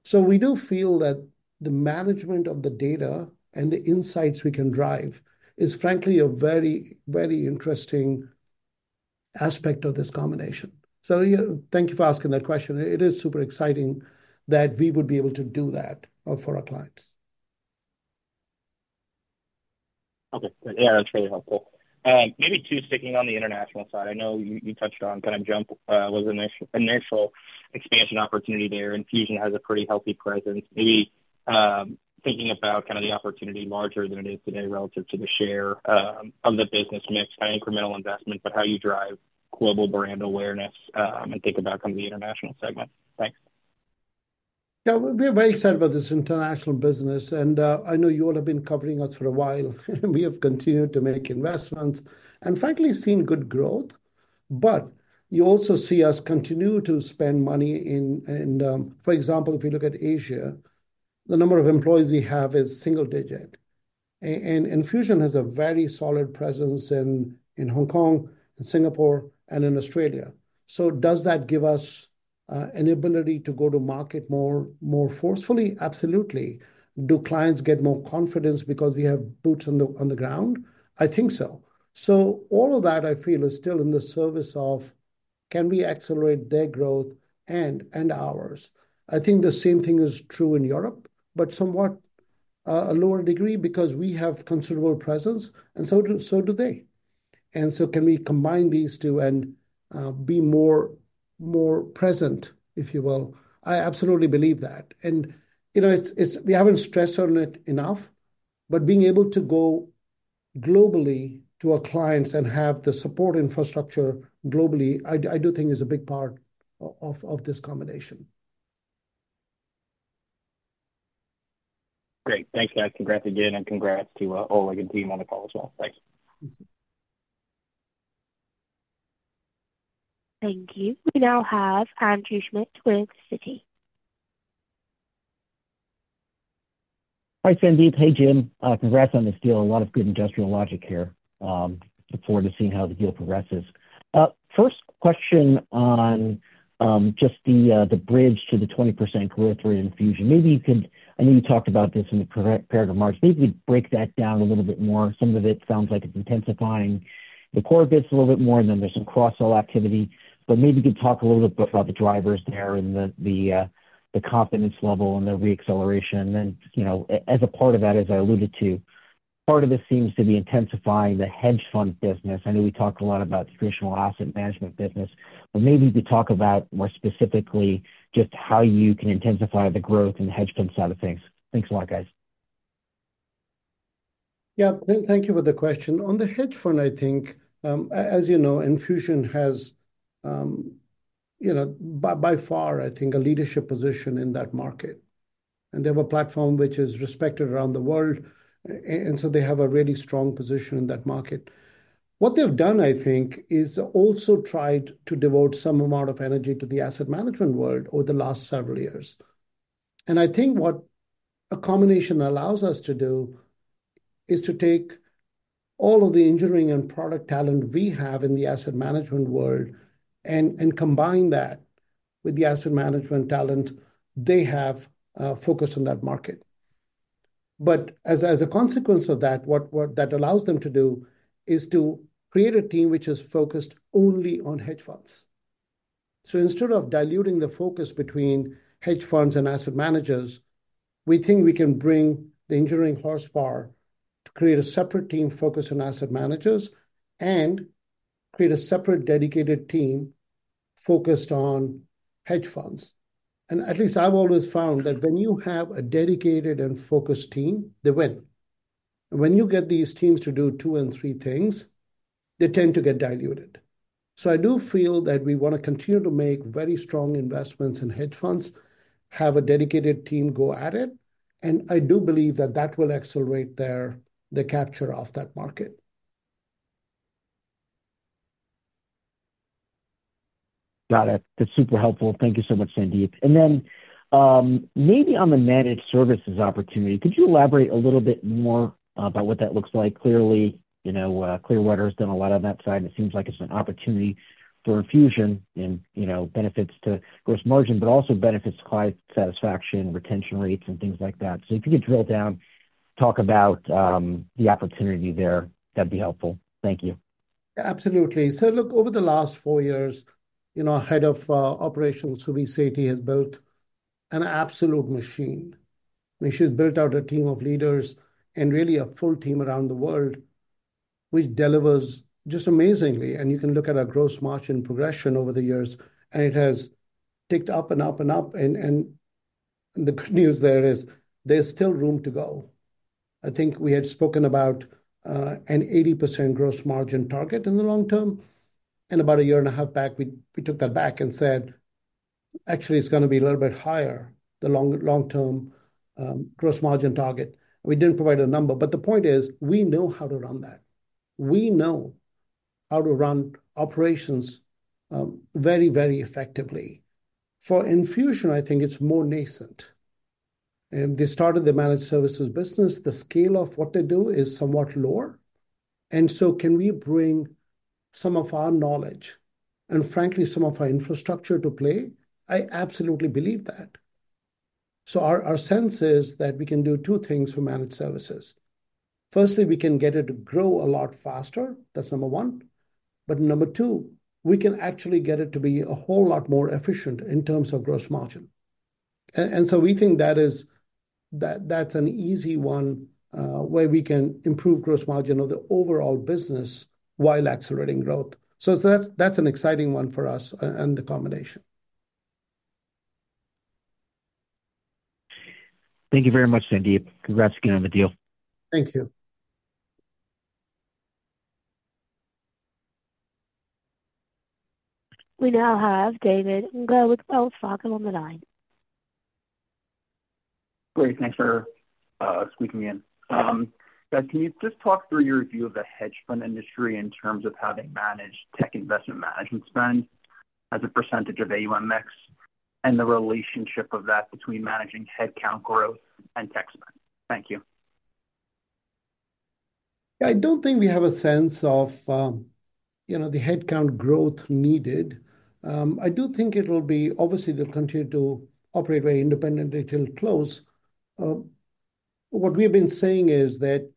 So we do feel that the management of the data and the insights we can drive is, frankly, a very, very interesting aspect of this combination. So thank you for asking that question. It is super exciting that we would be able to do that for our clients. Okay. Yeah, that's really helpful. Maybe too sticking on the international side. I know you touched on kind of Jump was an initial expansion opportunity there. Enfusion has a pretty healthy presence. Maybe thinking about kind of the opportunity larger than it is today relative to the share of the business mix, kind of incremental investment, but how you drive global brand awareness and think about kind of the international segment. Thanks. Yeah, we're very excited about this international business. And I know you all have been covering us for a while. We have continued to make investments and, frankly, seen good growth. But you also see us continue to spend money in, for example, if you look at Asia, the number of employees we have is single-digit. And Enfusion has a very solid presence in Hong Kong, in Singapore, and in Australia. So does that give us an ability to go to market more forcefully? Absolutely. Do clients get more confidence because we have boots on the ground? I think so. So all of that, I feel, is still in the service of can we accelerate their growth and ours? I think the same thing is true in Europe, but somewhat a lower degree because we have considerable presence, and so do they. And so can we combine these two and be more present, if you will? I absolutely believe that. And we haven't stressed on it enough, but being able to go globally to our clients and have the support infrastructure globally, I do think is a big part of this combination. Great. Thanks, guys. Congrats again, and congrats to Oleg and team on the call as well. Thanks. Thank you. We now have Andrew Schmidt with Citi. Hi, Sandeep. Hey, Jim. Congrats on this deal. A lot of good industrial logic here. Look forward to seeing how the deal progresses. First question on just the bridge to the 20% growth rate Enfusion. Maybe you could. I know you talked about this in the prepared remarks. Maybe you could break that down a little bit more. Some of it sounds like it's intensifying. The core gets a little bit more, and then there's some cross-sell activity. But maybe you could talk a little bit about the drivers there and the confidence level and the reacceleration. And then as a part of that, as I alluded to, part of this seems to be intensifying the hedge fund business. I know we talked a lot about traditional asset management business, but maybe you could talk about more specifically just how you can intensify the growth in the hedge fund side of things. Thanks a lot, guys. Yeah. Thank you for the question. On the hedge fund, I think, as you know, Enfusion has by far, I think, a leadership position in that market. And they have a platform which is respected around the world. And so they have a really strong position in that market. What they've done, I think, is also tried to devote some amount of energy to the asset management world over the last several years. And I think what a combination allows us to do is to take all of the engineering and product talent we have in the asset management world and combine that with the asset management talent they have focused on that market. But as a consequence of that, what that allows them to do is to create a team which is focused only on hedge funds. So instead of diluting the focus between hedge funds and asset managers, we think we can bring the engineering horsepower to create a separate team focused on asset managers and create a separate dedicated team focused on hedge funds. And at least I've always found that when you have a dedicated and focused team, they win. And when you get these teams to do two and three things, they tend to get diluted. So I do feel that we want to continue to make very strong investments in hedge funds, have a dedicated team go at it. And I do believe that that will accelerate their capture of that market. Got it. That's super helpful. Thank you so much, Sandeep. And then maybe on the managed services opportunity, could you elaborate a little bit more about what that looks like? Clearly, Clearwater has done a lot on that side. And it seems like it's an opportunity for Enfusion in benefits to gross margin, but also benefits to client satisfaction, retention rates, and things like that. So if you could drill down, talk about the opportunity there, that'd be helpful. Thank you. Absolutely. So look, over the last four years, our head of operations, Subi Sethi, has built an absolute machine. She's built out a team of leaders and really a full team around the world, which delivers just amazingly. And you can look at our gross margin progression over the years, and it has ticked up and up and up. And the good news there is there's still room to go. I think we had spoken about an 80% gross margin target in the long term. And about a year and a half back, we took that back and said, actually, it's going to be a little bit higher, the long-term gross margin target. We didn't provide a number, but the point is we know how to run that. We know how to run operations very, very effectively. For Enfusion, I think it's more nascent. They started the managed services business. The scale of what they do is somewhat lower, and so can we bring some of our knowledge and, frankly, some of our infrastructure to play? I absolutely believe that, so our sense is that we can do two things for managed services. Firstly, we can get it to grow a lot faster. That's number one, but number two, we can actually get it to be a whole lot more efficient in terms of gross margin, and so we think that's an easy one where we can improve gross margin of the overall business while accelerating growth, so that's an exciting one for us and the combination. Thank you very much, Sandeep. Congrats again on the deal. Thank you. We now have David Ung with Wells Fargo on the line. Great. Thanks for squeaking in. Can you just talk through your view of the hedge fund industry in terms of how they manage tech investment management spend as a percentage of AUM and the relationship of that between managing headcount growth and tech spend? Thank you. I don't think we have a sense of the headcount growth needed. I do think it will be obviously they'll continue to operate very independently till close. What we have been saying is that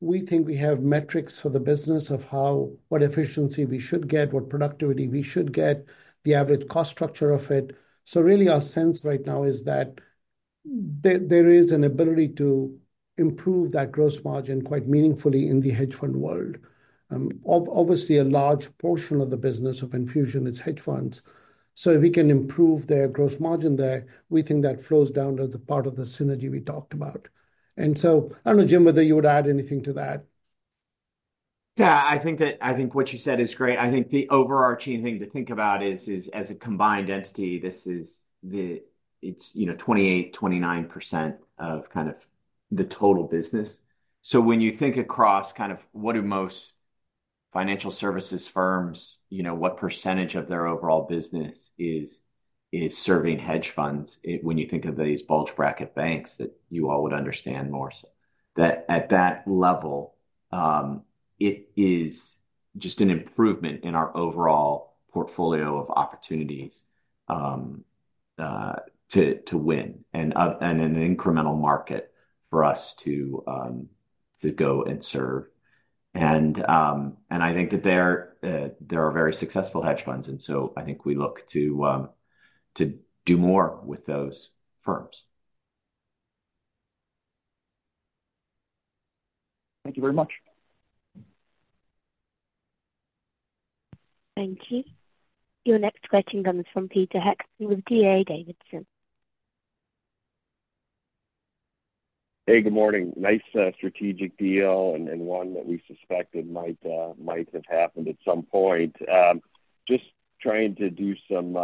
we think we have metrics for the business of what efficiency we should get, what productivity we should get, the average cost structure of it. So really, our sense right now is that there is an ability to improve that gross margin quite meaningfully in the hedge fund world. Obviously, a large portion of the business of Enfusion is hedge funds. So if we can improve their gross margin there, we think that flows down to the part of the synergy we talked about. And so I don't know, Jim, whether you would add anything to that. Yeah, I think what you said is great. I think the overarching thing to think about is, as a combined entity, this is 28-29% of kind of the total business. So when you think across kind of what do most financial services firms, what percentage of their overall business is serving hedge funds when you think of these bulge bracket banks that you all would understand more? So at that level, it is just an improvement in our overall portfolio of opportunities to win and an incremental market for us to go and serve. And I think that there are very successful hedge funds. And so I think we look to do more with those firms. Thank you very much. Thank you. Your next question comes from Peter Heckmann with D.A. Davidson. Hey, good morning. Nice strategic deal and one that we suspected might have happened at some point. Just trying to do some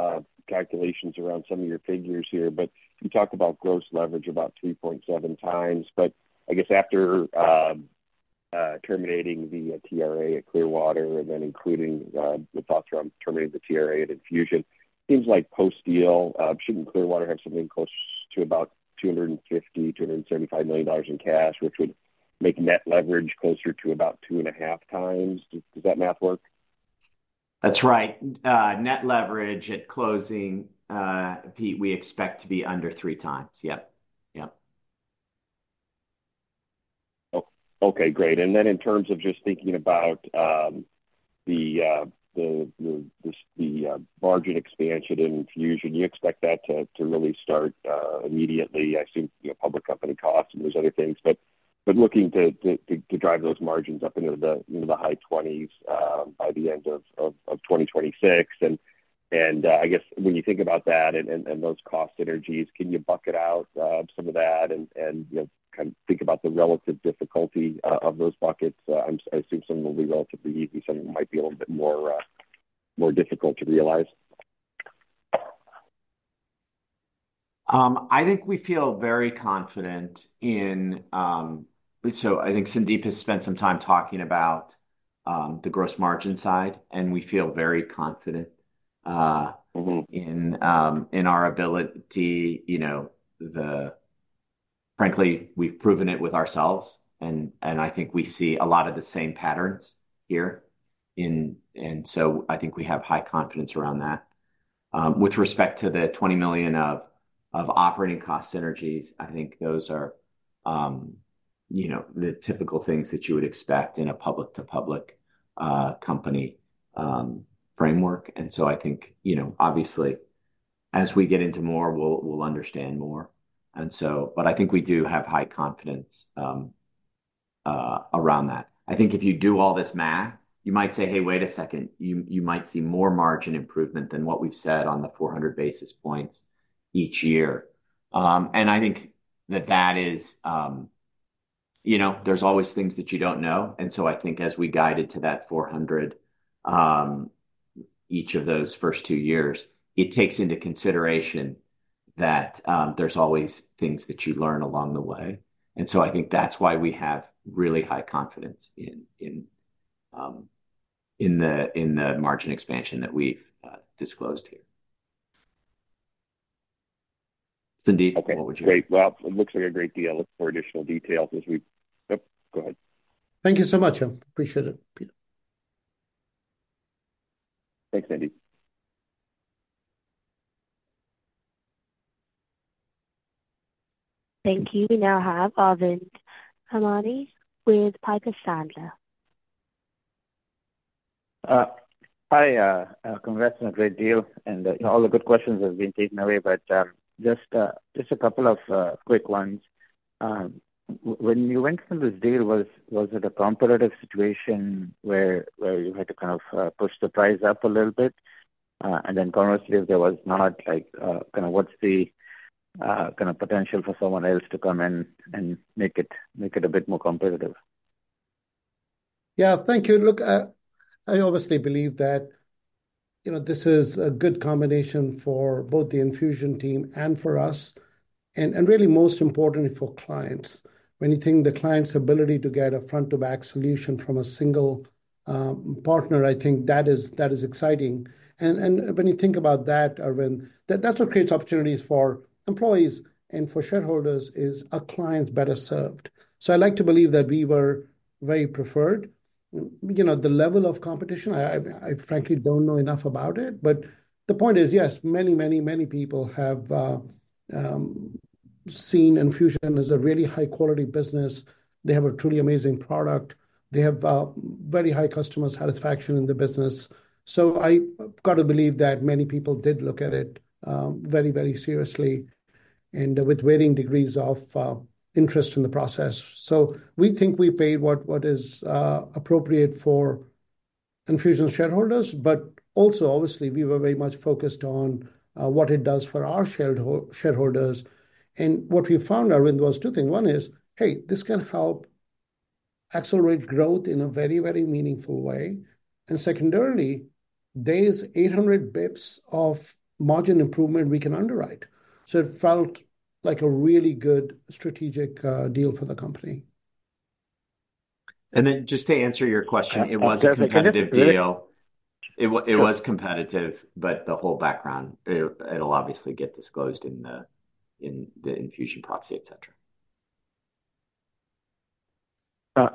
calculations around some of your figures here. But you talk about gross leverage about 3.7 times. But I guess after terminating the TRA at Clearwater and then including the thoughts around terminating the TRA at Enfusion, it seems like post-deal, shouldn't Clearwater have something close to about $250-$275 million in cash, which would make net leverage closer to about two and a half times? Does that math work? That's right. Net leverage at closing, Pete, we expect to be under three times. Yep. Yep. Okay. Great. Then in terms of just thinking about the margin expansion in Enfusion, you expect that to really start immediately, I assume, public company costs and those other things, but looking to drive those margins up into the high 20s by the end of 2026. I guess when you think about that and those cost synergies, can you bucket out some of that and kind of think about the relative difficulty of those buckets? I assume some of them will be relatively easy. Some of them might be a little bit more difficult to realize. I think we feel very confident in so I think Sandeep has spent some time talking about the gross margin side, and we feel very confident in our ability. Frankly, we've proven it with ourselves, and I think we see a lot of the same patterns here. And so I think we have high confidence around that. With respect to the $20 million of operating cost synergies, I think those are the typical things that you would expect in a public-to-public company framework. And so I think, obviously, as we get into more, we'll understand more. But I think we do have high confidence around that. I think if you do all this math, you might say, "Hey, wait a second." You might see more margin improvement than what we've said on the 400 basis points each year. And I think that that is, there's always things that you don't know. And so I think as we guided to that 400 each of those first two years, it takes into consideration that there's always things that you learn along the way. I think that's why we have really high confidence in the margin expansion that we've disclosed here. Sandeep, what would you? Okay. Great. Well, it looks like a great deal. Look for additional details as we, yep. Go ahead. Thank you so much. I appreciate it, Peter. Thanks, Sandeep. Thank you. We now have Arvind Ramnani with Piper Sandler. Hi. Congrats on a great deal. All the good questions have been taken away. But just a couple of quick ones. When you went for this deal, was it a competitive situation where you had to kind of push the price up a little bit? And then conversely, if there was not, kind of what's the kind of potential for someone else to come in and make it a bit more competitive? Yeah. Thank you. Look, I obviously believe that this is a good combination for both the Enfusion team and for us. And really, most importantly, for clients. When you think the client's ability to get a front-to-back solution from a single partner, I think that is exciting. And when you think about that, Arvind, that's what creates opportunities for employees and for shareholders is a client better served. So I like to believe that we were very preferred. The level of competition, I frankly don't know enough about it. But the point is, yes, many, many, many people have seen Enfusion as a really high-quality business. They have a truly amazing product. They have very high customer satisfaction in the business. So I've got to believe that many people did look at it very, very seriously and with varying degrees of interest in the process. We think we paid what is appropriate for Enfusion shareholders. But also, obviously, we were very much focused on what it does for our shareholders. And what we found, Arvind, was two things. One is, hey, this can help accelerate growth in a very, very meaningful way. And secondarily, there's 800 basis points of margin improvement we can underwrite. So it felt like a really good strategic deal for the company. And then just to answer your question, it was a competitive deal. It was competitive, but the whole background, it'll obviously get disclosed in the Enfusion proxy, etc.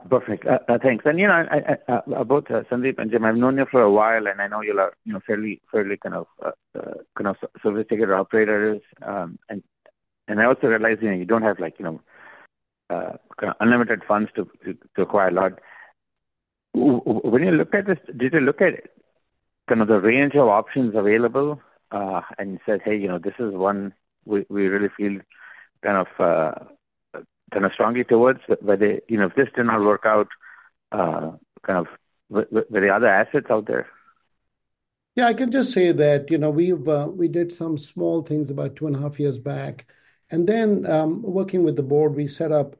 Perfect. Thanks. And I've known both Sandeep and Jim for a while, and I know you're fairly kind of sophisticated operators. And I also realize you don't have kind of unlimited funds to acquire a lot. When you look at this, did you look at kind of the range of options available and said, "Hey, this is one we really feel kind of strongly towards?" Whether if this did not work out, kind of were there other assets out there? Yeah. I can just say that we did some small things about two and a half years back. And then working with the board, we set up,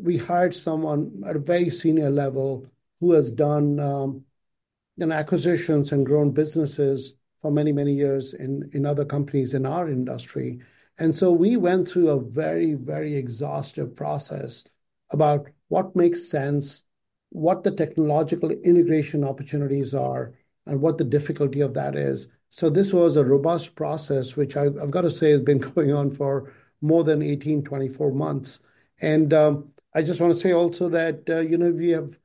we hired someone at a very senior level who has done acquisitions and grown businesses for many, many years in other companies in our industry. And so we went through a very, very exhaustive process about what makes sense, what the technological integration opportunities are, and what the difficulty of that is. So this was a robust process, which I've got to say has been going on for more than 18, 24 months. And I just want to say also that we have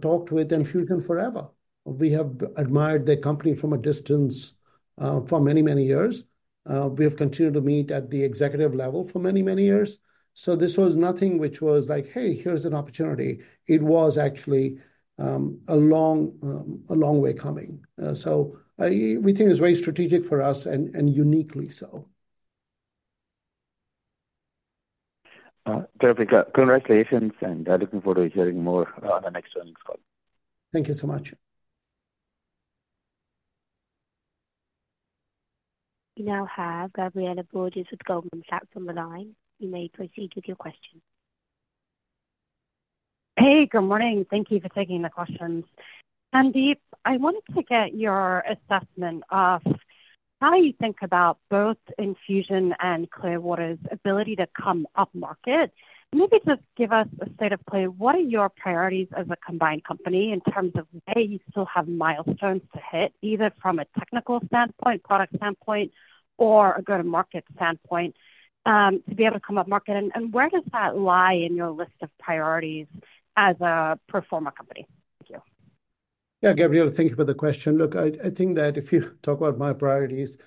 talked with Enfusion forever. We have admired their company from a distance for many, many years. We have continued to meet at the executive level for many, many years. So this was nothing which was like, "Hey, here's an opportunity." It was actually a long way coming. So we think it's very strategic for us and uniquely so. Terrific. Congratulations, and looking forward to hearing more on the next earnings call. Thank you so much. We now have Gabriela Borges with Goldman Sachs on the line. You may proceed with your question. Hey, good morning. Thank you for taking the questions. Sandeep, I wanted to get your assessment of how you think about both Enfusion and Clearwater's ability to come up market. Maybe just give us a state of play. What are your priorities as a combined company in terms of where you still have milestones to hit, either from a technical standpoint, product standpoint, or a go-to-market standpoint, to be able to come up market? And where does that lie in your list of priorities as a combined company? Thank you. Yeah, Gabriela, thank you for the question. Look, I think that if you talk about my priorities,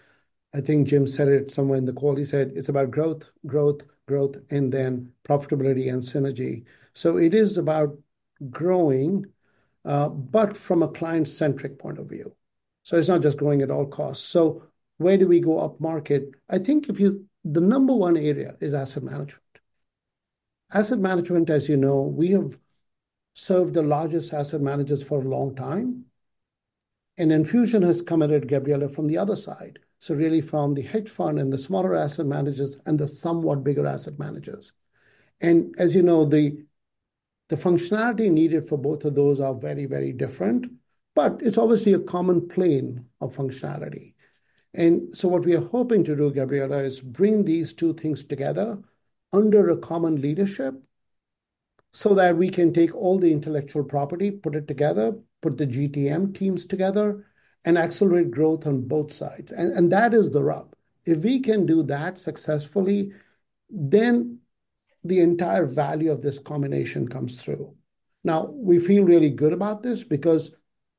I think Jim said it somewhere in the call. He said it's about growth, growth, growth, and then profitability and synergy. So it is about growing, but from a client-centric point of view. So it's not just growing at all costs. So where do we go up market? I think the number one area is asset management. Asset management, as you know, we have served the largest asset managers for a long time. And Enfusion has committed, Gabriela, from the other side. So really from the hedge fund and the smaller asset managers and the somewhat bigger asset managers. And as you know, the functionality needed for both of those are very, very different. But it's obviously a common plane of functionality. And so what we are hoping to do, Gabriela, is bring these two things together under a common leadership so that we can take all the intellectual property, put it together, put the GTM teams together, and accelerate growth on both sides. And that is the rub. If we can do that successfully, then the entire value of this combination comes through. Now, we feel really good about this because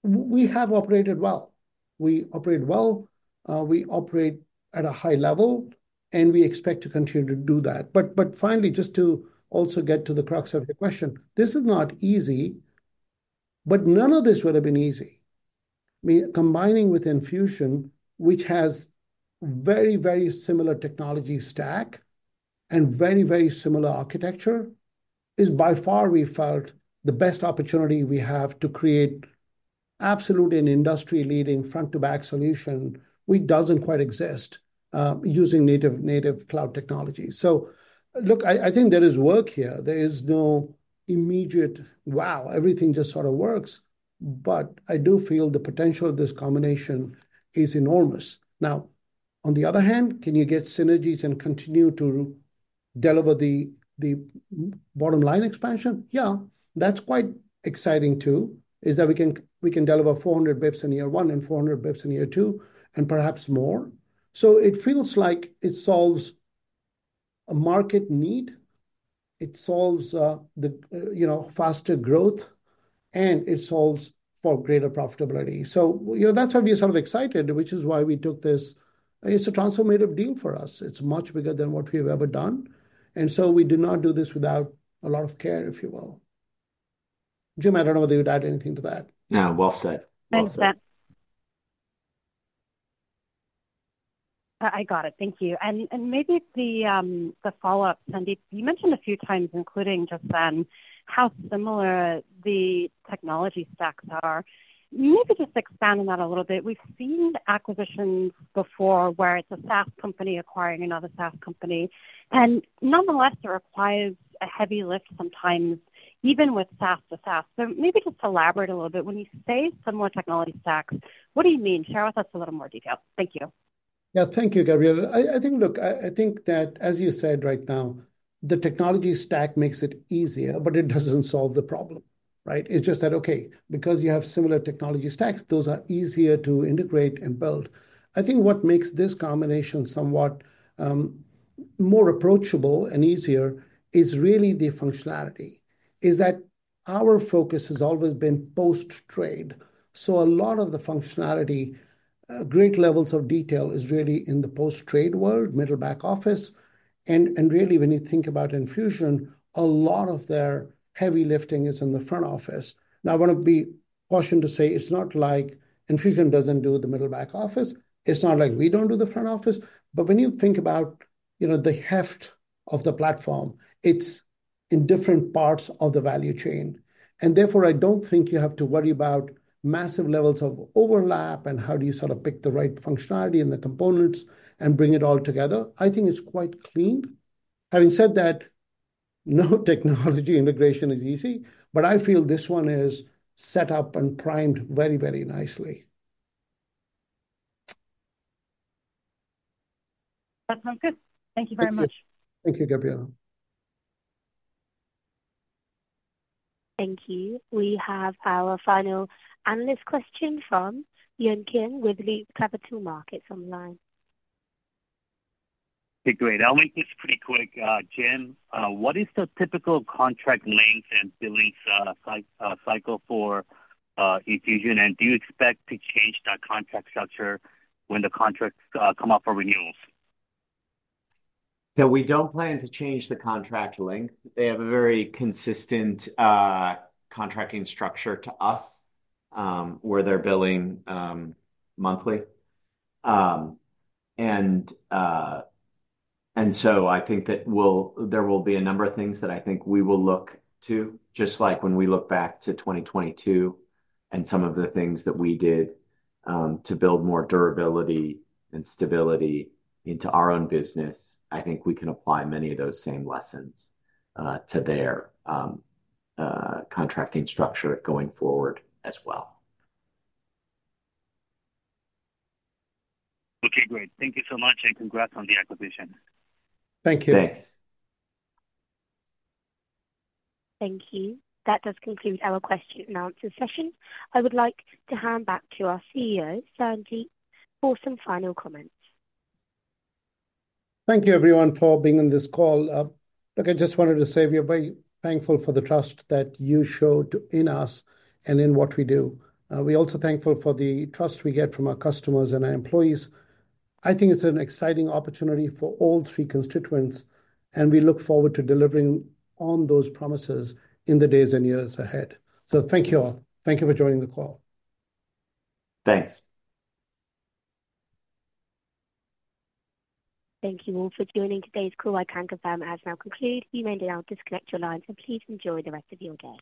we have operated well. We operate well. We operate at a high level, and we expect to continue to do that. But finally, just to also get to the crux of your question, this is not easy, but none of this would have been easy. Combining with Enfusion, which has very, very similar technology stack and very, very similar architecture, is by far, we felt, the best opportunity we have to create absolute and industry-leading front-to-back solution which doesn't quite exist using native cloud technology. So look, I think there is work here. There is no immediate, "Wow, everything just sort of works." But I do feel the potential of this combination is enormous. Now, on the other hand, can you get synergies and continue to deliver the bottom line expansion? Yeah. That's quite exciting too, is that we can deliver 400 basis points in year one and 400 basis points in year two and perhaps more. So it feels like it solves a market need. It solves faster growth, and it solves for greater profitability. So that's why we're sort of excited, which is why we took this. It's a transformative deal for us. It's much bigger than what we've ever done. And so we did not do this without a lot of care, if you will. Jim, I don't know whether you'd add anything to that. No, well said. Thanks, Sandeep. I got it. Thank you. And maybe the follow-up, Sandeep, you mentioned a few times, including just then, how similar the technology stacks are. Maybe just expand on that a little bit. We've seen acquisitions before where it's a SaaS company acquiring another SaaS company. And nonetheless, it requires a heavy lift sometimes, even with SaaS to SaaS. So maybe just elaborate a little bit. When you say similar technology stacks, what do you mean? Share with us a little more detail. Thank you. Yeah. Thank you, Gabriela. I think, look, I think that, as you said right now, the technology stack makes it easier, but it doesn't solve the problem, right? It's just that, okay, because you have similar technology stacks, those are easier to integrate and build. I think what makes this combination somewhat more approachable and easier is really the functionality. It's that our focus has always been post-trade. So a lot of the functionality, great levels of detail is really in the post-trade world, middle back office. And really, when you think about Enfusion, a lot of their heavy lifting is in the front office. Now, I want to be cautioned to say it's not like Enfusion doesn't do the middle back office. It's not like we don't do the front office. But when you think about the heft of the platform, it's in different parts of the value chain. And therefore, I don't think you have to worry about massive levels of overlap and how do you sort of pick the right functionality and the components and bring it all together. I think it's quite clean. Having said that, no technology integration is easy, but I feel this one is set up and primed very, very nicely. That sounds good. Thank you very much. Thank you, Gabriela. Thank you. We have our final analyst question from Yun Kim with Loop Capital Markets on the line. Okay, great. I'll make this pretty quick. Jim, what is the typical contract length and billing cycle for Enfusion? And do you expect to change that contract structure when the contracts come up for renewals? Yeah, we don't plan to change the contract length. They have a very consistent contracting structure to us where they're billing monthly. And so I think that there will be a number of things that I think we will look to, just like when we look back to 2022 and some of the things that we did to build more durability and stability into our own business. I think we can apply many of those same lessons to their contracting structure going forward as well. Okay, great. Thank you so much. And congrats on the acquisition. Thank you. Thanks. Thank you. That does conclude our question and answer session. I would like to hand back to our CEO, Sandeep, for some final comments. Thank you, everyone, for being on this call. Look, I just wanted to say we are very thankful for the trust that you showed in us and in what we do. We're also thankful for the trust we get from our customers and our employees. I think it's an exciting opportunity for all three constituents, and we look forward to delivering on those promises in the days and years ahead. So thank you all. Thank you for joining the call. Thanks. Thank you all for joining today's call. I can confirm it's now concluded. We may now disconnect your lines, and please enjoy the rest of your day.